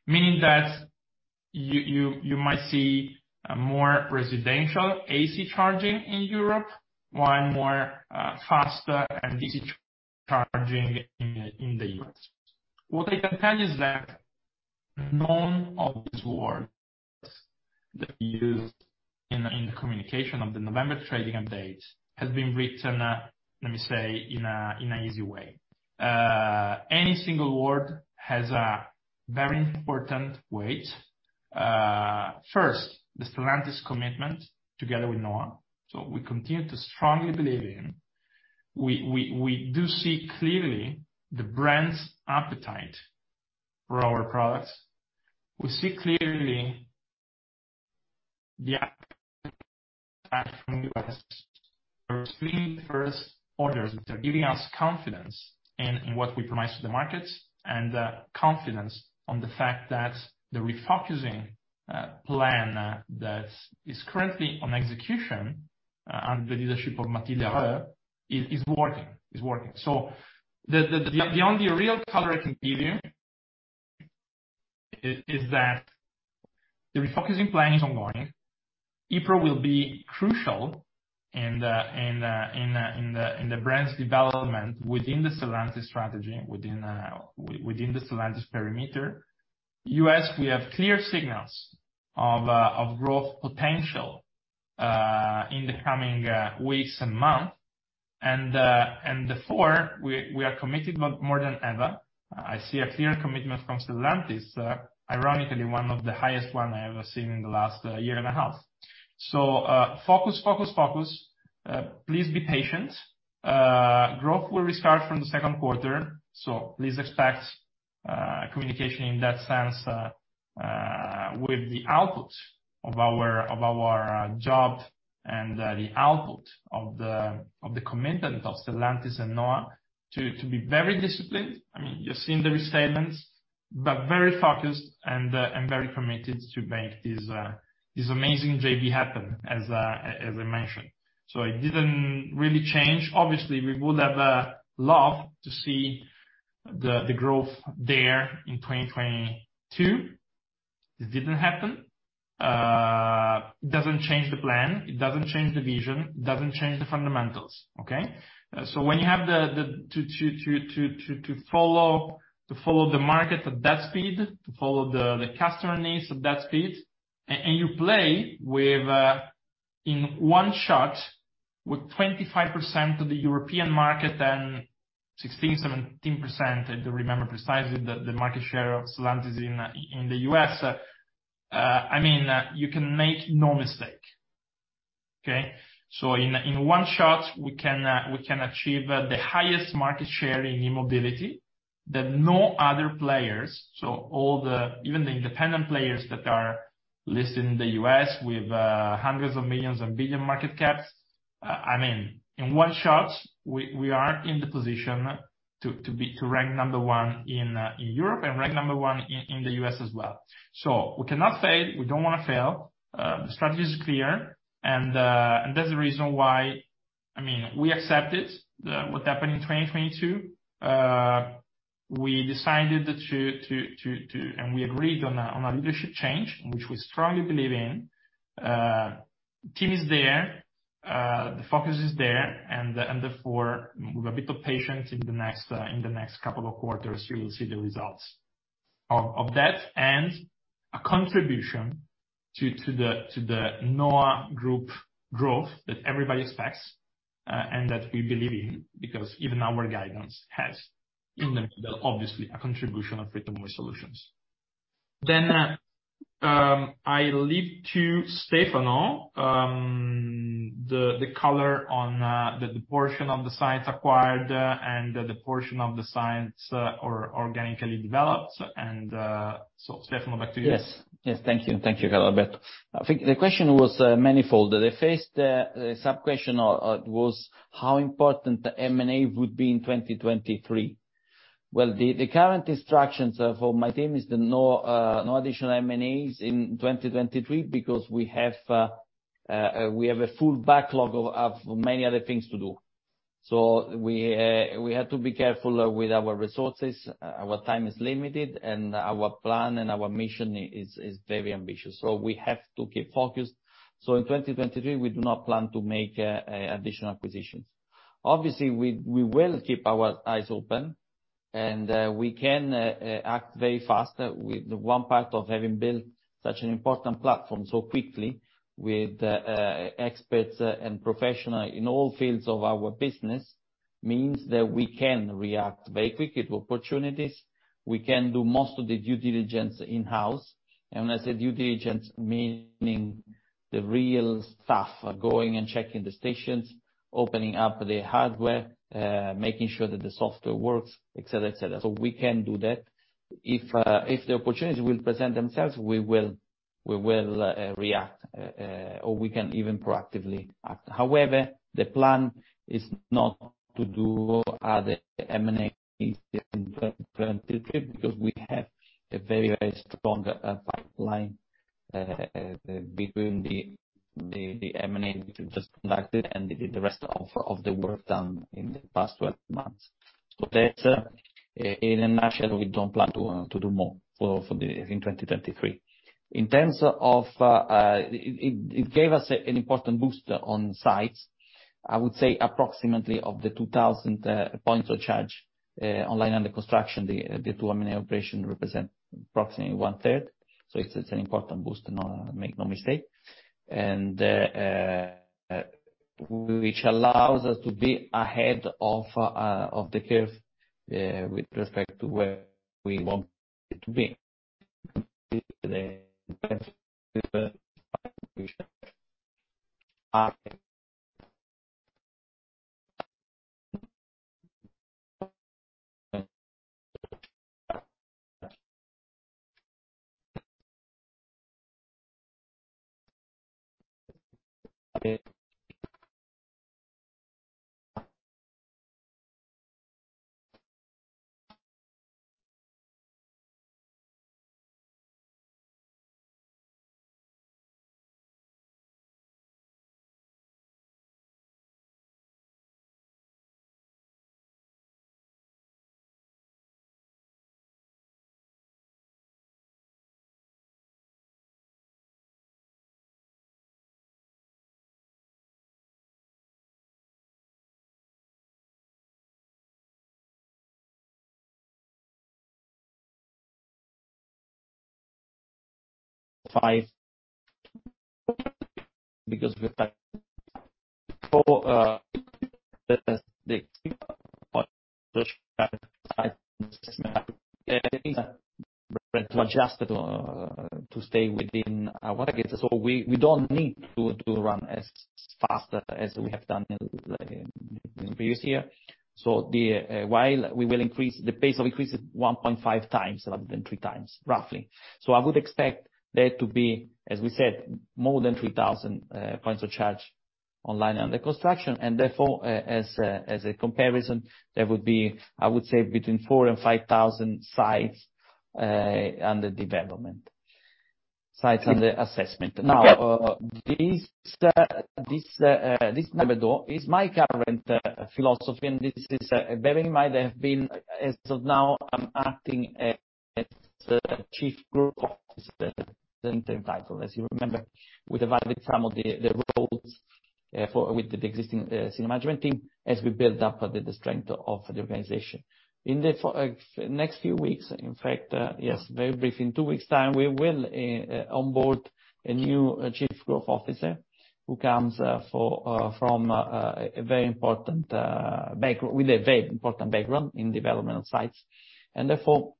Meaning that you might see more residential AC charging in Europe, while more faster and DC charging in the U.S. What I can tell you is that none of these words that we used in the communication of the November trading update has been written, let me say, in a easy way. Any single word has a very important weight. First, the Stellantis commitment together with NHOA. We continue to strongly believe in. We do see clearly the brand's appetite for our products. We see clearly the first orders that are giving us confidence in what we promise to the markets, and confidence on the fact that the refocusing plan that is currently on execution under the leadership of Mathilde Lheureux is working. It's working. The only real color I can give you is that the refocusing plan is ongoing. ePro will be crucial in the brand's development within the Stellantis strategy, within the Stellantis perimeter. U.S., we have clear signals of growth potential in the coming weeks and months and therefore we are committed more than ever. I see a clear commitment from Stellantis, ironically, one of the highest one I ever seen in the last year and a half. Focus, focus. Please be patient. Growth will restart from the Q2. Please expect communication in that sense with the output of our, of our job and the output of the commitment of Stellantis and NHOA to be very disciplined. I mean, you've seen the restatements, but very focused and very committed to make this amazing JV happen, as I mentioned. It didn't really change. Obviously, we would have loved to see the growth there in 2022. It didn't happen. It doesn't change the plan, it doesn't change the vision, it doesn't change the fundamentals. Okay? When you have to follow the market at that speed, to follow the customer needs at that speed, and you play with in one shot with 25% of the European market, then 16%, 17%, I don't remember precisely the market share of Stellantis in the U.S. I mean, you can make no mistake. Okay. In one shot, we can achieve the highest market share in e-mobility that no other players, even the independent players that are listed in the U.S. with hundreds of millions and billion market caps. I mean, in one shot, we are in the position to rank number one in Europe and rank number one in the U.S. as well. We cannot fail. We don't wanna fail. The strategy is clear. That's the reason why. I mean, we accept it, what happened in 2022. We decided to. We agreed on a leadership change which we strongly believe in. Team is there. The focus is there. Therefore, with a bit of patience in the next couple of quarters, you will see the results of that and a contribution to the NHOA Group growth that everybody expects, and that we believe in because even our guidance has, in the middle, obviously, a contribution of Free2move eSolutions. I leave to Stefano, the color on the portion of the science acquired and the portion of the science or organically developed. Stefano, back to you.
Yes. Yes. Thank you. Thank you, Alberto. I think the question was manifold. The first sub-question was how important the M&A would be in 2023. The current instructions for my team is that no additional M&As in 2023 because we have a full backlog of many other things to do. We have to be careful with our resources. Our time is limited, and our plan and our mission is very ambitious. We have to keep focused. In 2023, we do not plan to make additional acquisitions. We will keep our eyes open and we can act very fast with one part of having built such an important platform so quickly with experts and professional in all fields of our business means that we can react very quickly to opportunities. We can do most of the due diligence in-house. When I say due diligence, meaning the real stuff, going and checking the stations, opening up the hardware, making sure that the software works, et cetera, et cetera. We can do that. If, if the opportunities will present themselves, we will react, or we can even proactively act. The plan is not to do other M&As in 2023 because we have a very, very strong pipeline between the M&A we just conducted and the rest of the work done in the past 12 months. That's, in a nutshell, we don't plan to do more in 2023. It gave us an important boost on sites. I would say approximately of the 2,000 points of charge online and under construction, the two M&A operation represent approximately one-third. It's an important boost, make no mistake. Which allows us to be ahead of the curve with respect to where we want it to be. To adjust it or to stay within our targets. We don't need to run as fast as we have done in previous year. The while we will increase the pace of increase is 1.5x rather than 3x, roughly. I would expect there to be, as we said, more than 3,000 points of charge online and under construction. Therefore, as a comparison, there would be, I would say, between 4,000 and 5,000 sites under development. Sites under assessment. This number, though, is my current philosophy, and this is bearing in mind I have been, as of now, I'm acting as the Chief Growth Officer title. As you remember, we divided some of the roles with the existing senior management team as we build up the strength of the organization. In the next few weeks, in fact, yes, very brief, in two weeks time, we will onboard a new chief growth officer who comes from a very important background in developmental sites. Therefore,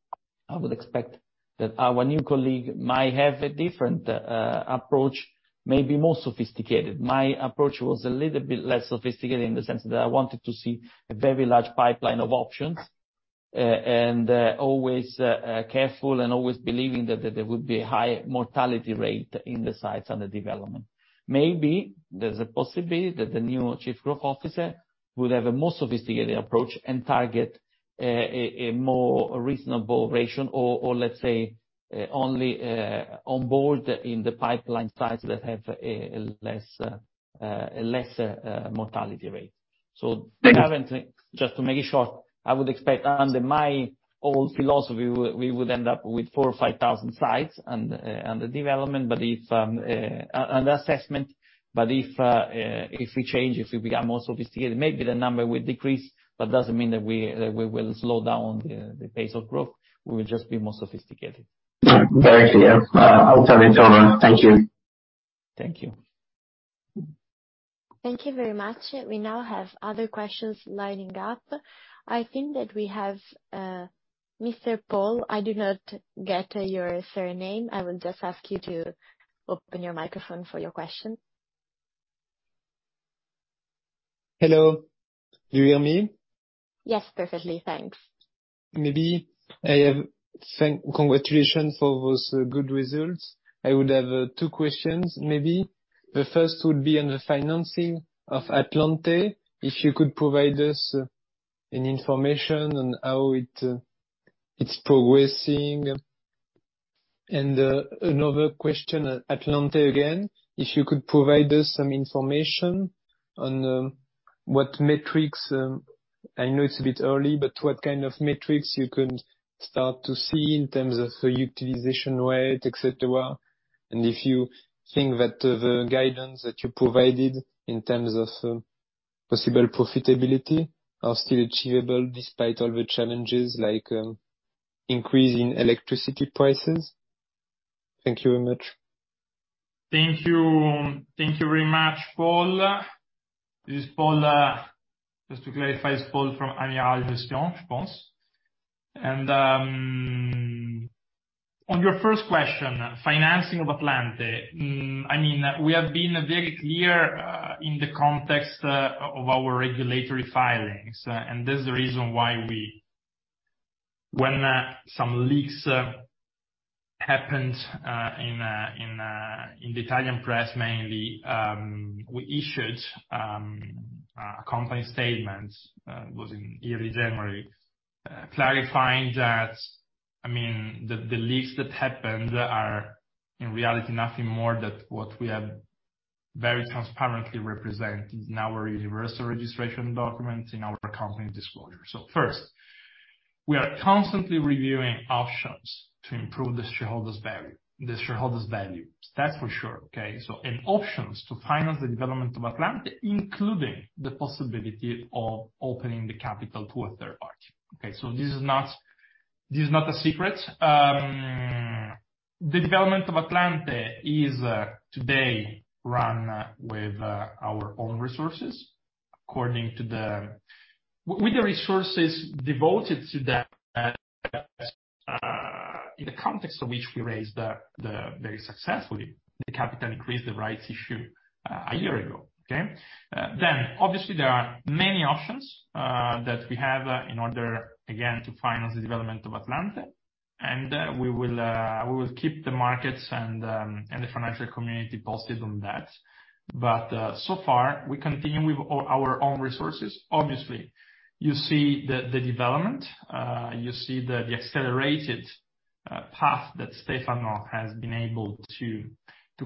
I would expect that our new colleague might have a different approach, maybe more sophisticated. My approach was a little bit less sophisticated in the sense that I wanted to see a very large pipeline of options, and always careful and always believing that there would be a high mortality rate in the sites under development. Maybe there's a possibility that the new Chief Growth Officer would have a more sophisticated approach and target a more reasonable ratio or let's say only on board in the pipeline sites that have a less a lesser mortality rate. Currently, just to make it short, I would expect under my old philosophy, we would end up with 4,000 or 5,000 sites under development. If, under assessment, if we change, if we become more sophisticated, maybe the number will decrease, but doesn't mean that we will slow down the pace of growth. We will just be more sophisticated.
Very clear. I'll turn it over. Thank you.
Thank you.
Thank you very much. We now have other questions lining up. I think that we have Mr. Paul. I do not get your surname. I will just ask you to open your microphone for your question.
Hello. Do you hear me?
Yes, perfectly. Thanks.
Thank-- Congratulations for those good results. I would have two questions maybe. The first would be on the financing of Atlante. If you could provide us any information on how it's progressing. Another question, Atlante again. If you could provide us some information on what metrics... I know it's a bit early, but what kind of metrics you can start to see in terms of the utilization rate, et cetera? If you think that the guidance that you provided in terms of possible profitability are still achievable despite all the challenges like increase in electricity prices? Thank you very much.
Thank you. Thank you very much, Paul. This is Paul, just to clarify, it's Paul from Bryan, Garnier & Co. On your first question, financing of Atlante. I mean, we have been very clear in the context of our regulatory filings, and this is the reason why when some leaks happened in the Italian press, mainly, we issued company statements, it was in early January, clarifying that, I mean, the leaks that happened are, in reality, nothing more than what we have very transparently represented in our universal registration documents, in our company disclosure. First, we are constantly reviewing options to improve the shareholders value. The shareholders value. That's for sure, okay? And options to finance the development of Atlante, including the possibility of opening the capital to a third party. Okay? This is not, this is not a secret. The development of Atlante is today run with our own resources according to the resources devoted to that, in the context of which we raised very successfully the capital increase the rights issue a year ago, okay? Then obviously there are many options that we have in order, again, to finance the development of Atlante. We will keep the markets and the financial community posted on that. So far, we continue with our own resources. Obviously, you see the development, you see the accelerated path that Stefano has been able to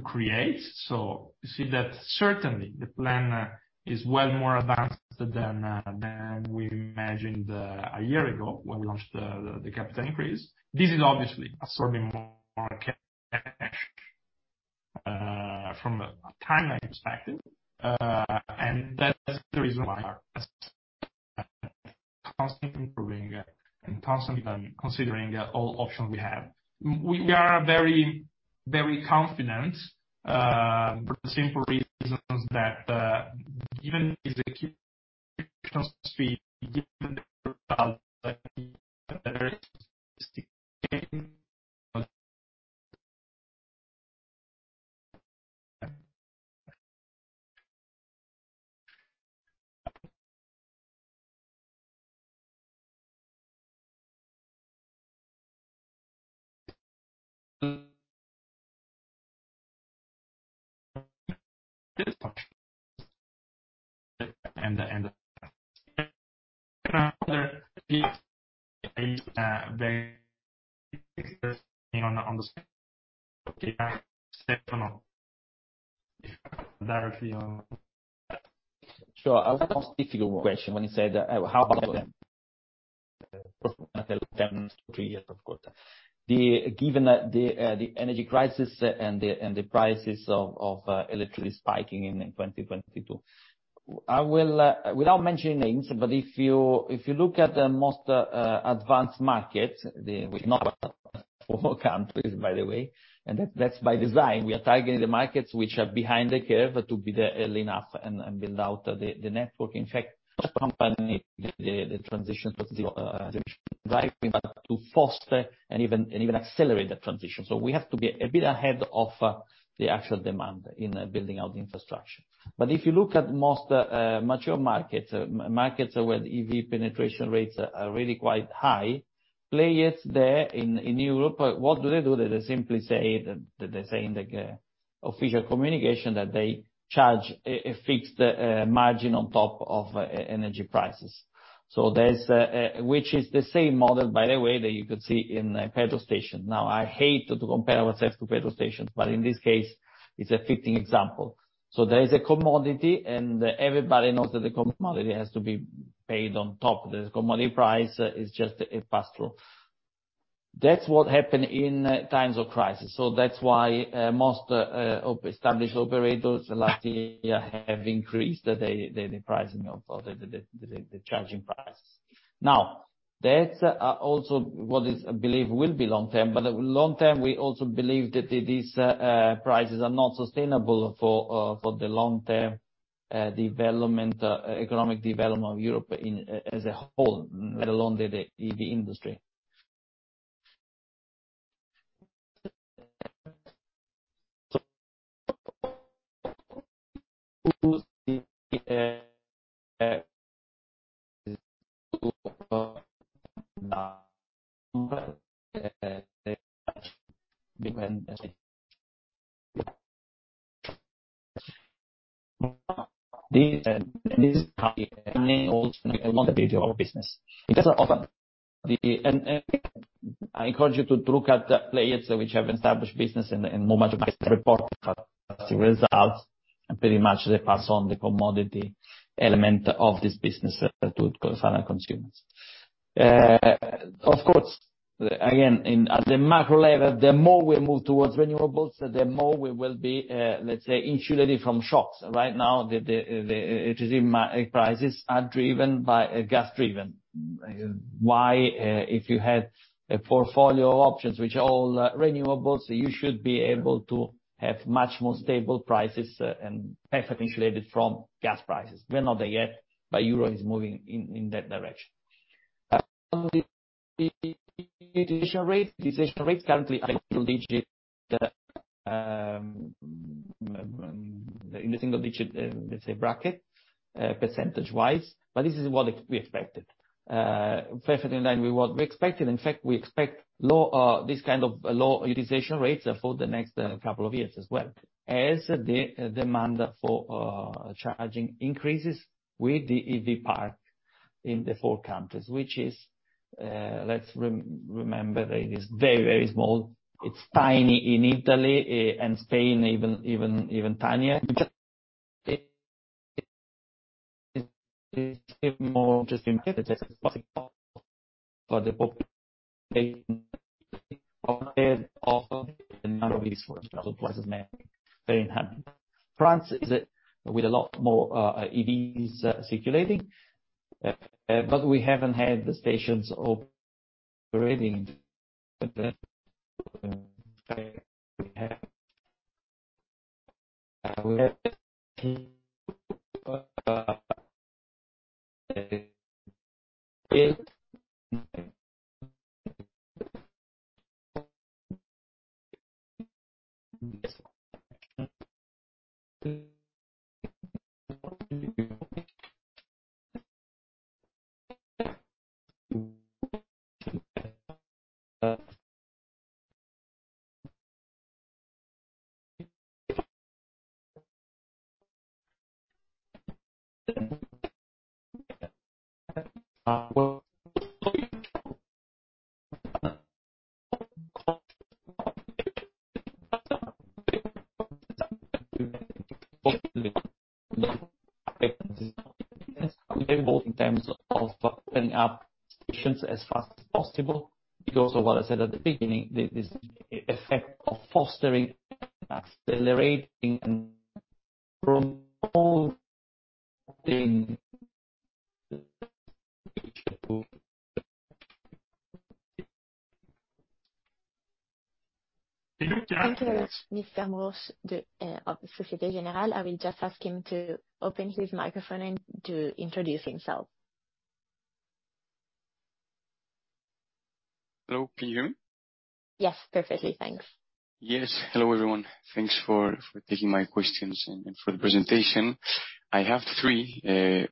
create. You see that certainly the plan is well more advanced than we imagined a year ago when we launched the capital increase. This is obviously absorbing more cash from a timeline perspective. That's the reason why constantly improving and constantly considering all options we have. We are very confident for the simple reasons that, even if the Stefano. Directly on. *audio distortion*
Sure. A difficult question when you say that how about given the energy crisis and the prices of electricity spiking in 2022? I will, without mentioning names, if you look at the most advanced markets, the... With not 4 countries, by the way, and that's by design. We are targeting the markets which are behind the curve to be there early enough and build out the network. In fact, company, the transition to foster and even accelerate the transition. We have to be a bit ahead of the actual demand in building out the infrastructure. If you look at most mature markets where the EV penetration rates are really quite high, players there in Europe, what do they do? They simply say, they say in the official communication that they charge a fixed margin on top of energy prices. There's which is the same model, by the way, that you could see in a petrol station. I hate to compare ourselves to petrol stations, but in this case it's a fitting example. There is a commodity, and everybody knows that the commodity has to be paid on top. The commodity price is just a pass-through. That's what happened in times of crisis. That's why most established operators last year have increased the pricing of the charging price. That's also what is believed will be long-term. Long-term, we also believe that these prices are not sustainable for the long-term development, economic development of Europe as a whole, let alone the industry. Our business. It doesn't often... I encourage you to look at the players which have established business and much of my report, the results, and pretty much they pass on the commodity element of this business to final consumers. Of course, again, at the macro level, the more we move towards renewables, the more we will be, let's say, insulated from shocks. Right now, the electricity prices are driven by gas driven. Why, if you had a portfolio of options which are all renewables, you should be able to have much more stable prices and perfectly insulated from gas prices. We're not there yet, Europe is moving in that direction. The utilization rate. Utilization rates currently are low-digit, in the single-digit, let's say bracket, percentage-wise, but this is what we expected. Perfectly in line with what we expected. In fact, we expect low, this kind of low utilization rates for the next couple of years as well. As the demand for charging increases with the EV park in the four countries, which is, let's remember that it is very small. It's tiny in Italy, and Spain even tinier. France is with a lot more EVs circulating. We haven't had the stations operating. In terms of opening up stations as fast as possible because of what I said at the beginning, this effect of fostering, accelerating, and promoting.
Thank you, Mr. Amoroso, of Société Générale. I will just ask him to open his microphone and to introduce himself.
Hello. Can you hear me?
Yes, perfectly. Thanks.
Yes. Hello, everyone. Thanks for taking my questions and for the presentation. I have three,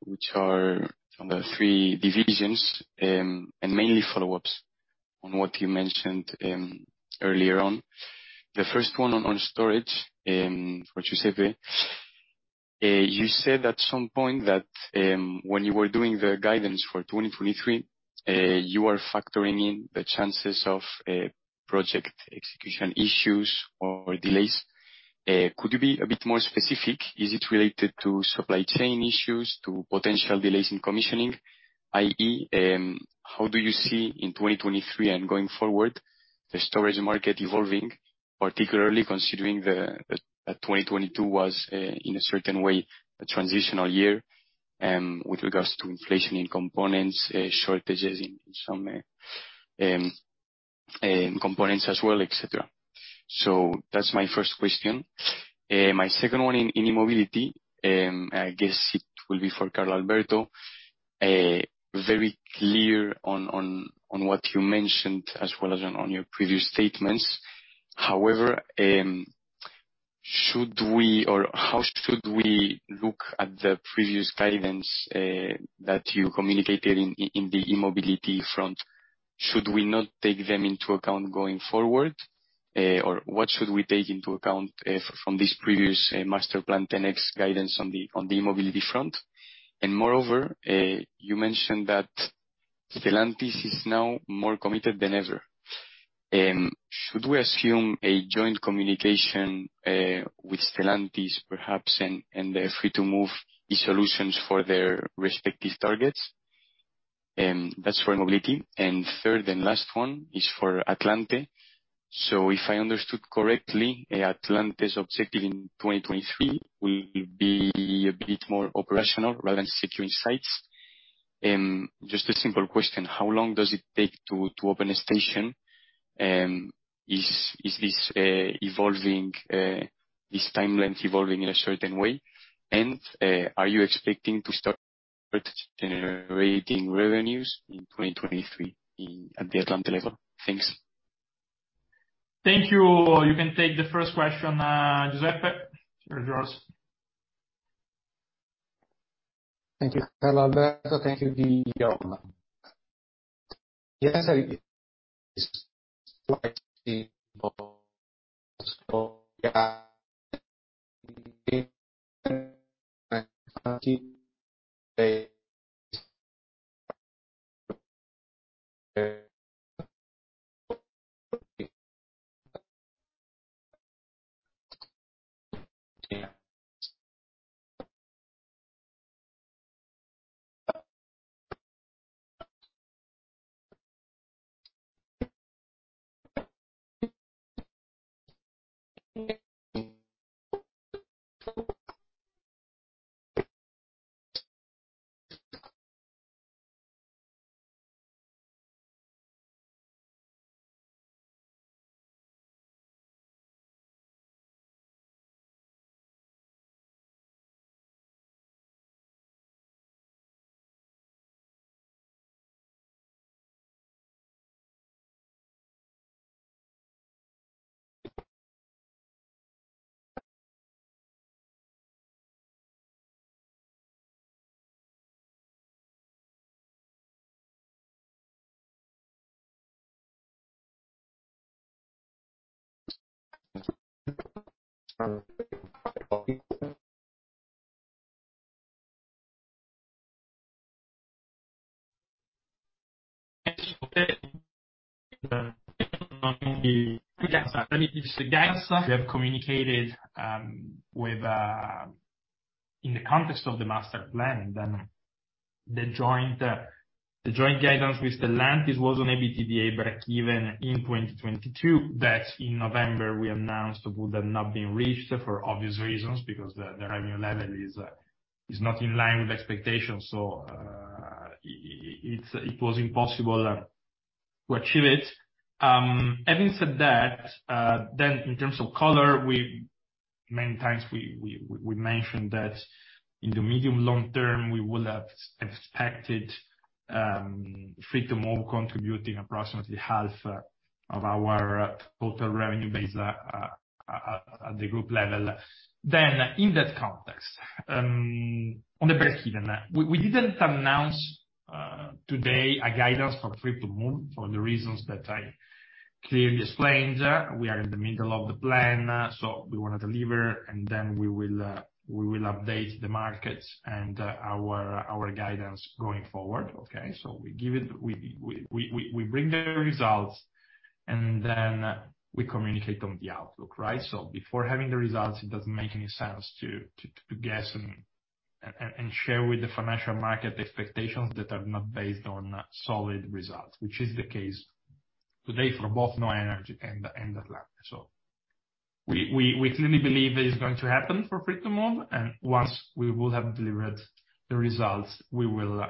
which are from the three divisions, and mainly follow-ups on what you mentioned earlier on. The first one on storage, Giuseppe. You said at some point that when you were doing the guidance for 2023, you are factoring in the chances of project execution issues or delays. Could you be a bit more specific? Is it related to supply chain issues, to potential delays in commissioning? I.e., how do you see in 2023 and going forward, the storage market evolving, particularly considering the 2022 was in a certain way, a transitional year, with regards to inflation in components, shortages in some components as well, et cetera. That's my first question. My second one in e-mobility, I guess it will be for Carlalberto. Very clear on what you mentioned as well as on your previous statements. However, should we or how should we look at the previous guidance that you communicated in the e-mobility front? Should we not take them into account going forward, or what should we take into account from this previous Masterplan 10x guidance on the e-mobility front? Moreover, you mentioned that Stellantis is now more committed than ever. Should we assume a joint communication with Stellantis perhaps and the Free2move eSolutions for their respective targets? That's for mobility. Third and last one is for Atlante. If I understood correctly, Atlante's objective in 2023 will be a bit more operational rather than securing sites. Just a simple question. How long does it take to open a station? Is this timeline evolving in a certain way? Are you expecting to start generating revenues in 2023 at the Atlante level? Thanks.
Thank you. You can take the first question, Giuseppe. The floor is yours.
Thank you, Carlalberto. Thank you, Guillaume. *audio distortion*
Yes, we have communicated with in the context of the Masterplan, the joint guidance with Stellantis was on EBITDA breakeven in 2022. That in November we announced would have not been reached for obvious reasons, because the revenue level is not in line with expectations. It was impossible to achieve it. Having said that, in terms of color, many times we mentioned that in the medium long term we would have expected Free2move contributing approximately half of our total revenue base at the group level. In that context, on the breakeven, we didn't announce today a guidance for Free2move for the reasons that I clearly explained. We are in the middle of the plan, we wanna deliver and we will update the markets and our guidance going forward. Okay? We bring the results, we communicate on the outlook, right? Before having the results, it doesn't make any sense to guess and share with the financial market the expectations that are not based on solid results, which is the case today for both NHOA Energy and Atlante. We clearly believe that it's going to happen for Free2move, and once we will have delivered the results, we will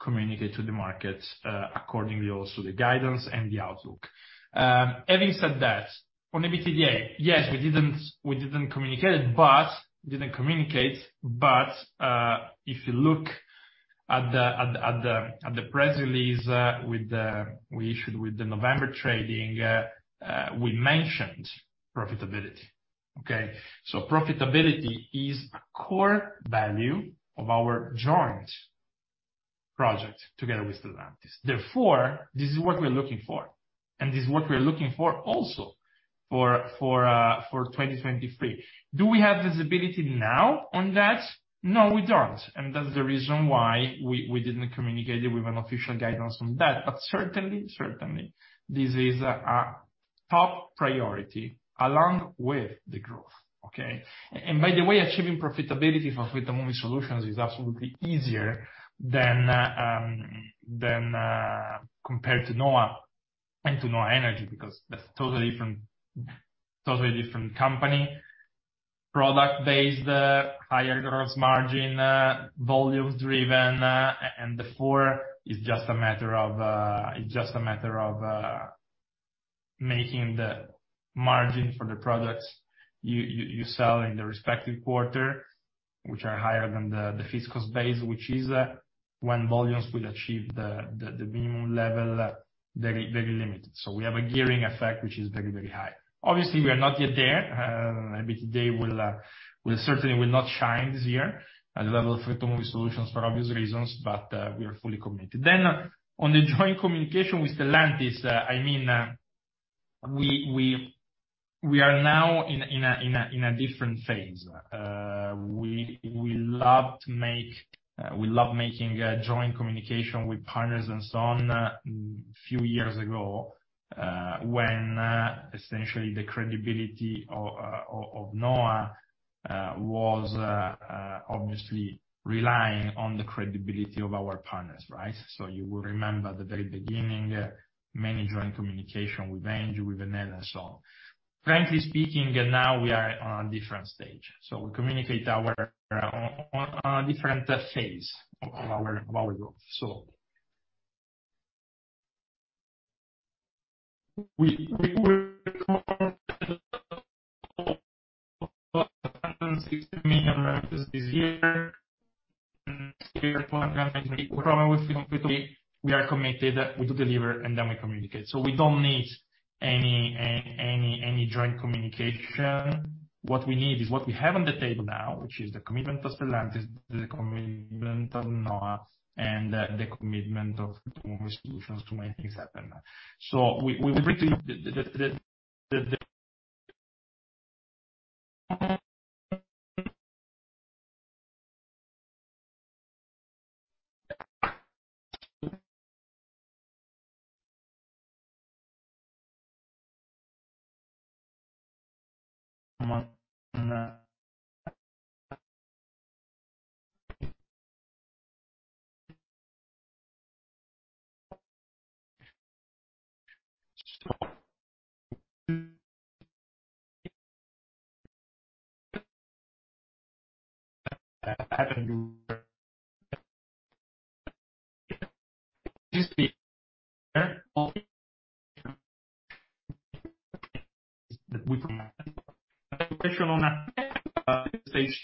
communicate to the markets accordingly also the guidance and the outlook. Having said that, on EBITDA, yes, we didn't communicate, but if you look at the press release we issued with the November trading, we mentioned profitability. Okay. Profitability is a core value of our joint project together with Stellantis. Therefore, this is what we're looking for, and this is what we're looking for also for 2023. Do we have visibility now on that? No, we don't. That's the reason why we didn't communicate it with an official guidance on that. Certainly, this is a top priority along with the growth. Okay? By the way, achieving profitability for Free2move eSolutions is absolutely easier than compared to NHOA and to NHOA Energy because that's totally different, totally different company, product-based, higher gross margin, volumes driven, and therefore it's just a matter of, it's just a matter of making the margin for the products you sell in the respective quarter, which are higher than the fixed cost base, which is when volumes will achieve the minimum level, very, very limited. We have a gearing effect, which is very, very high. Obviously, we are not yet there. EBITDA will certainly not shine this year at the level of Free2move eSolutions for obvious reasons, but we are fully committed. On the joint communication with Stellantis, I mean, we are now in a different phase. We love making joint communication with partners and so on a few years ago, when essentially the credibility of NHOA was obviously relying on the credibility of our partners, right? You will remember at the very beginning, many joint communication with Engie, with Vanessa. Frankly speaking, now we are on different stage. We communicate our on a different phase of our growth. We will million revenues this year we are committed we do deliver and then we communicate. We don't need any joint communication. What we need is what we have on the table now, which is the commitment of Stellantis, the commitment of NHOA and the commitment to find solutions to make things happen. We will bring to you the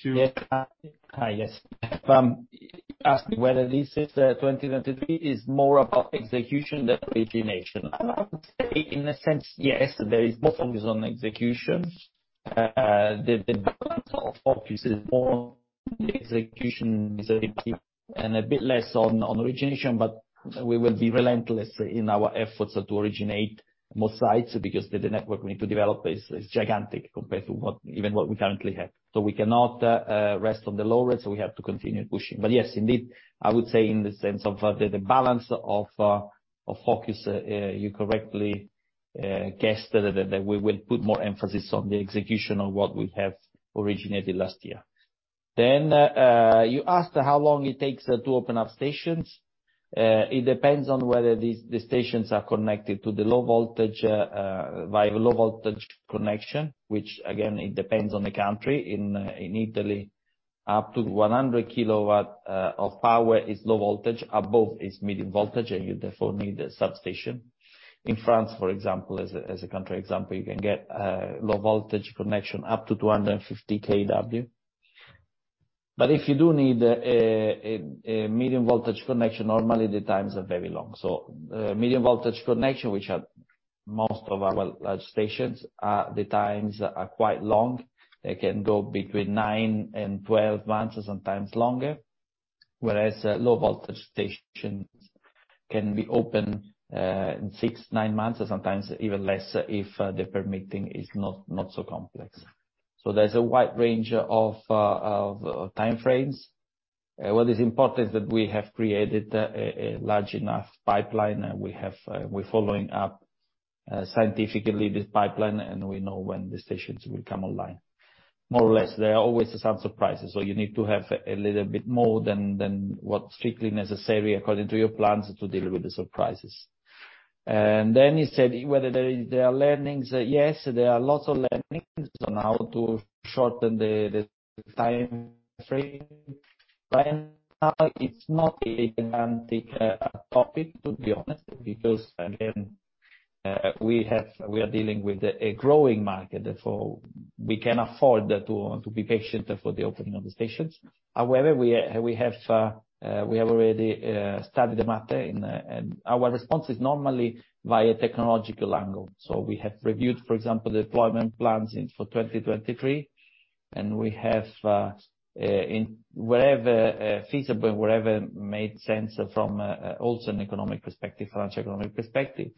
Yes. Hi. Yes. You asked me whether this is 2023 is more about execution than origination. I would say in a sense, yes, there is more focus on execution. The balance of focus is more on execution and a bit less on origination, but we will be relentless in our efforts to originate more sites because the network we need to develop is gigantic compared to what even what we currently have. We cannot rest on the lower, so we have to continue pushing. Yes, indeed, I would say in the sense of the balance of focus, you correctly guessed that we will put more emphasis on the execution of what we have originated last year. You asked how long it takes to open up stations. It depends on whether the stations are connected to the low voltage via low voltage connection, which again, it depends on the country. In Italy, up to 100 KW of power is low voltage. Above is medium voltage. You therefore need a substation. In France, for example, as a country example, you can get a low voltage connection up to 250 KW. If you do need a medium voltage connection, normally the times are very long. Medium voltage connection, which are most of our stations, the times are quite long. They can go between nine and 12 months or sometimes longer. Whereas a low voltage station can be open in six, nine months or sometimes even less if the permitting is not so complex. there's a wide range of time frames. What is important is that we have created a large enough pipeline. We're following up scientifically this pipeline, and we know when the stations will come online, more or less. There are always some surprises, so you need to have a little bit more than what's strictly necessary according to your plans to deal with the surprises. Then you said whether there are learnings. Yes, there are lots of learnings on how to shorten the time frame. Right now it's not a gigantic topic, to be honest, because, again, we are dealing with a growing market, so we can afford to be patient for the opening of the stations. However, we have already studied the matter and our response is normally via technological angle. We have reviewed, for example, deployment plans for 2023, and we have, in wherever feasible and wherever made sense from also an economic perspective, financial economic perspective.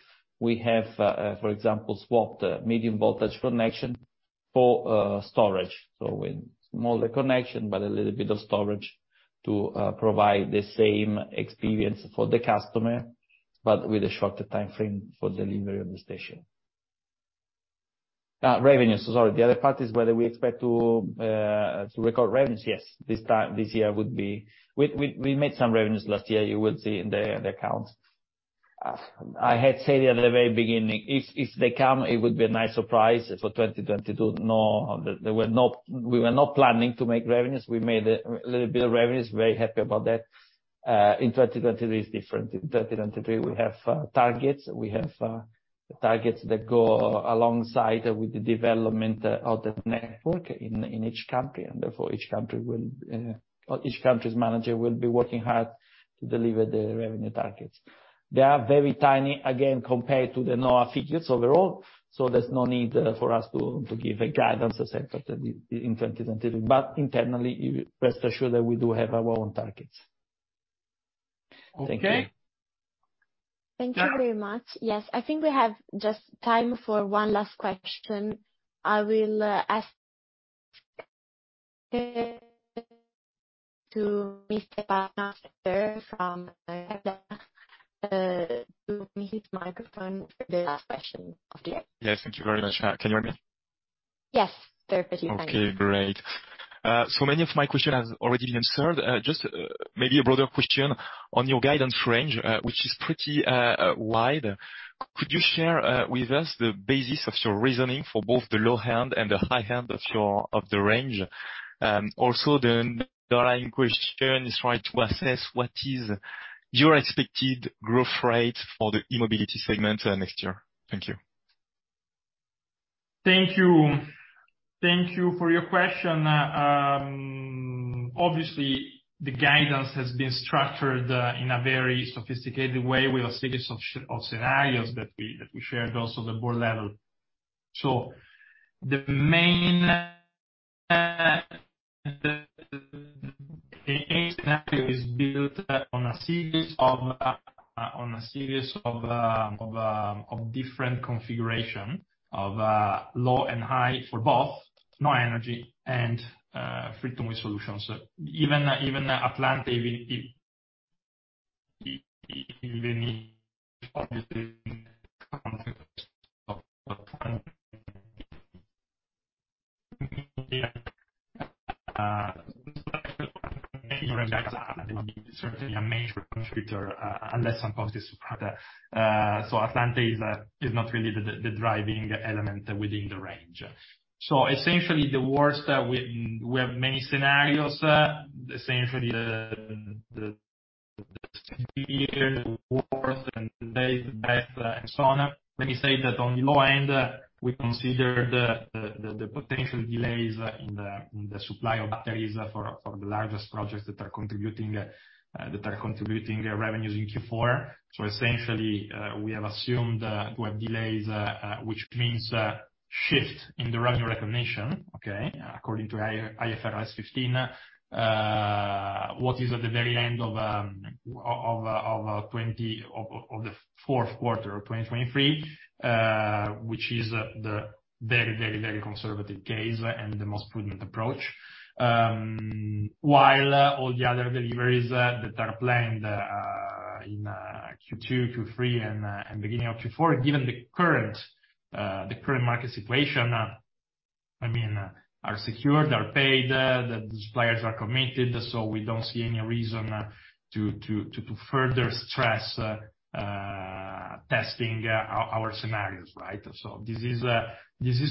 We have, for example, swapped medium voltage connection for storage. With smaller connection, but a little bit of storage to provide the same experience for the customer, but with a shorter timeframe for delivery of the station. Revenue. Sorry. The other part is whether we expect to record revenues. Yes. This year would be... We made some revenues last year. You will see in the accounts. I had said it at the very beginning, if they come, it would be a nice surprise for 2022. We were not planning to make revenues. We made a little bit of revenues. Very happy about that. In 2023 is different. In 2023, we have targets. We have targets that go alongside with the development of the network in each country, and therefore each country will or each country's manager will be working hard to deliver the revenue targets. They are very tiny, again, compared to the NHOA figures overall. There's no need for us to give a guidance as such in 2023. Internally, you rest assured that we do have our own targets. Thank you.
Okay.
Thank you very much. Yes. I think we have just time for one last question. I will ask to Mr. *audio distortion* from, to unmute his microphone for the last question of the day.
Yes. Thank you very much. Can you hear me?
Yes. Perfectly fine.
Okay, great. Many of my question has already been answered. Just maybe a broader question on your guidance range, which is pretty wide. Could you share with us the basis of your reasoning for both the low hand and the high hand of the range? Also, the underlying question is trying to assess what is your expected growth rate for the e-mobility segment next year. Thank you.
Thank you. Thank you for your question. Obviously, the guidance has been structured in a very sophisticated way with a series of scenarios that we shared also at the board level. The main is built on a series of on a series of different configuration of low and high for both new energy and Free2move eSolutions. Even Atlante certainly a major contributor unless some positive surprise. Atlante is not really the driving element within the range. Essentially we have many scenarios, essentially the worst and best, and so on. Let me say that on the low end, we consider the potential delays in the supply of batteries for the largest projects that are contributing revenues in Q4. Essentially, we have assumed we have delays which means shift in the revenue recognition, okay? According to IFRS 15, what is at the very end of the Q4 of 2023, which is the very conservative case and the most prudent approach. While all the other deliveries that are planned in Q2, Q3 and beginning of Q4, given the current market situation, I mean, are secured, are paid, the suppliers are committed, so we don't see any reason to further stress testing our scenarios, right? This is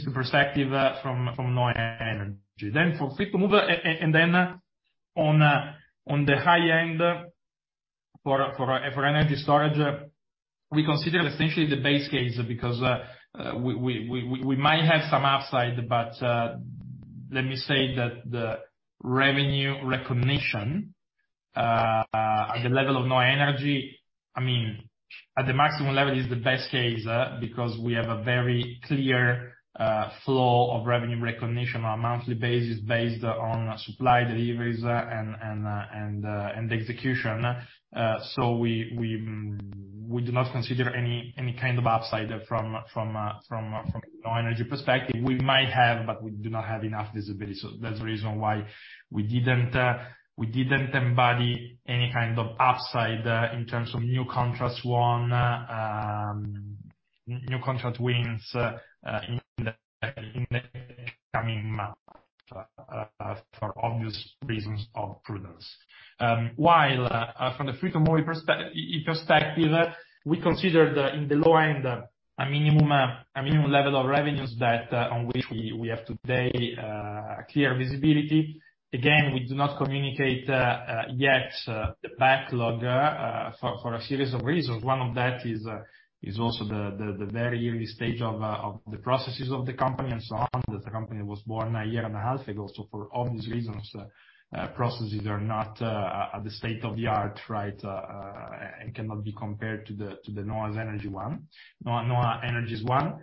the perspective from NHOA Energy. For Free2move. On the high end for energy storage, we consider essentially the base case because we might have some upside, but let me say that the revenue recognition, at the level of NHOA Energy, I mean, at the maximum level is the best case, because we have a very clear flow of revenue recognition on a monthly basis based on supply deliveries and the execution. We do not consider any kind of upside from NHOA Energy perspective. We might have, but we do not have enough visibility. That's the reason why we didn't, we didn't embody any kind of upside in terms of new contracts won, new contract wins in the coming months for obvious reasons of prudence. While from the Free2move perspective, we consider the, in the low end, a minimum, a minimum level of revenues that on which we have today, clear visibility. Again, we do not communicate yet the backlog for a series of reasons. One of that is also the very early stage of the processes of the company and so on, that the company was born a year and a half ago. For obvious reasons, processes are not at the state-of-the-art, right, and cannot be compared to the NHOA Energy's one. NHOA Energy's one.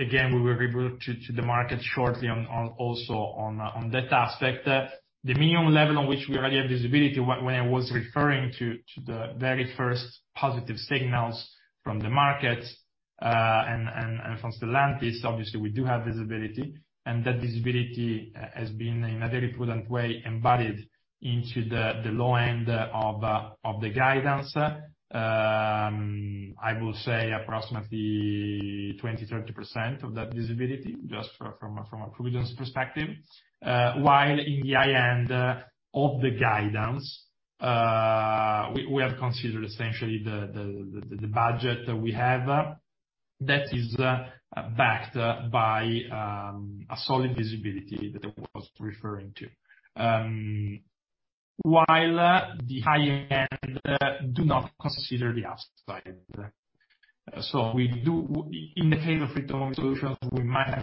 Again, we will revert to the market shortly on, also on that aspect. The minimum level on which we already have visibility, when I was referring to the very first positive signals from the market, and from Stellantis, obviously we do have visibility, and that visibility has been, in a very prudent way, embodied into the low end of the guidance. I will say approximately 20%-30% of that visibility, just from a prudence perspective. While in the high end of the guidance, we have considered essentially the budget that we have, that is backed by a solid visibility that I was referring to. While the high end do not consider the upside. In the case of Free2move eSolutions, we might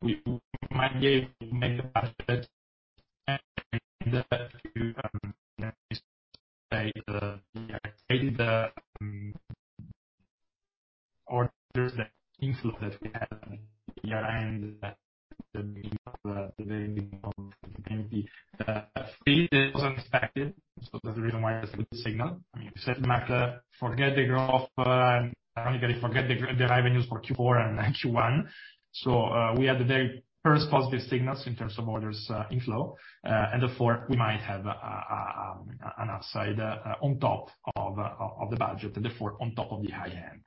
be able to make the budget the orders, the inflow that we have here, and that was unexpected. That's the reason why it's a good signal. I mean, we said forget the growth, not only forget the revenues for Q4 and Q1. We had the very first positive signals in terms of orders, inflow, and therefore, we might have an upside on top of the budget and therefore on top of the high end.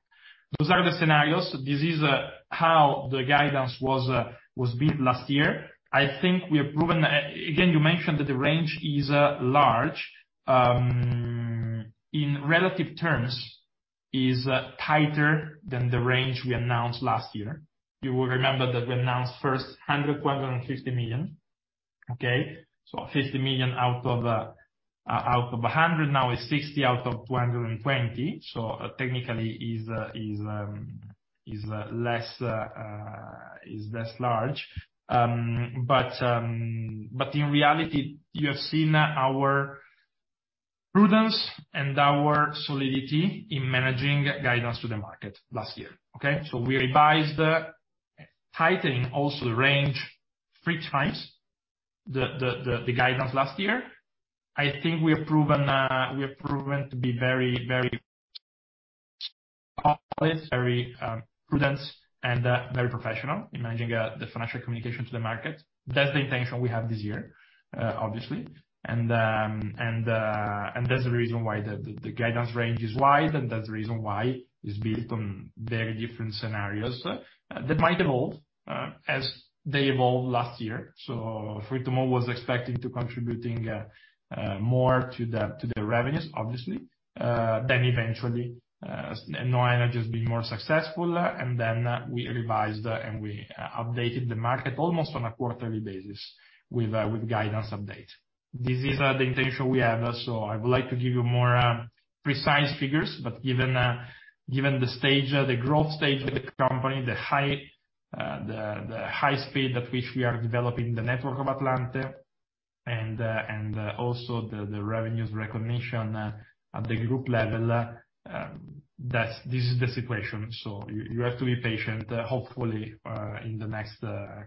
Those are the scenarios. This is how the guidance was bid last year. I think we have proven. Again, you mentioned that the range is large. In relative terms is tighter than the range we announced last year. You will remember that we announced first 100 point and 50 million, okay? So 50 million out of 100 million, now is 60 million out of 220 million. So technically is less large. In reality, you have seen our prudence and our solidity in managing guidance to the market last year. Okay. So we revised the tightening also the range three times the guidance last year. I think we have proven, we have proven to be very, very very, prudence and, very professional in managing, the financial communication to the market. That's the intention we have this year, obviously. That's the reason why the guidance range is wide, and that's the reason why it's built on very different scenarios, that might evolve, as they evolved last year. Free2move was expecting to contributing, more to the, to the revenues obviously, than eventually, NHOA just being more successful. We revised and we updated the market almost on a quarterly basis with guidance update. This is, the intention we have. I would like to give you more precise figures, but given given the stage, the growth stage of the company, the high the high speed at which we are developing the network of Atlante and and also the the revenues recognition at the group level, this is the situation. You have to be patient. Hopefully, in the next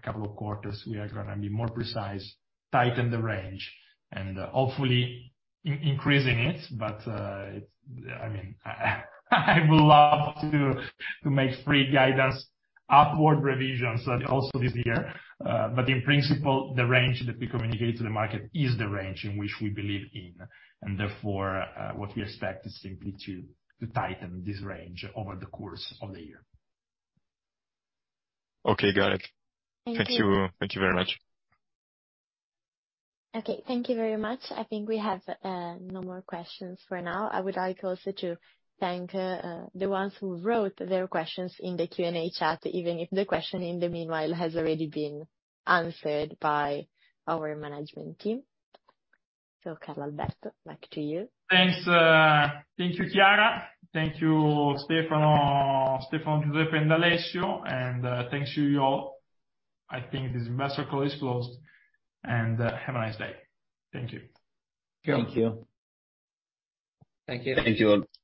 couple of quarters, we are gonna be more precise, tighten the range and hopefully increasing it. I mean, I would love to make free guidance upward revisions also this year. In principle, the range that we communicate to the market is the range in which we believe in, and therefore, what we expect is simply to tighten this range over the course of the year.
Okay, got it.
Thank you.
Thank you. Thank you very much.
Okay, thank you very much. I think we have no more questions for now. I would like also to thank the ones who wrote their questions in the Q&A chat, even if the question in the meanwhile has already been answered by our management team. Carlalberto, back to you.
Thanks, thank you, Chiara. Thank you Stefano, Giuseppe, and Alessio. Thanks to you all. I think this investor call is closed. Have a nice day. Thank you. Thank you.
Thank you.
Thank you all.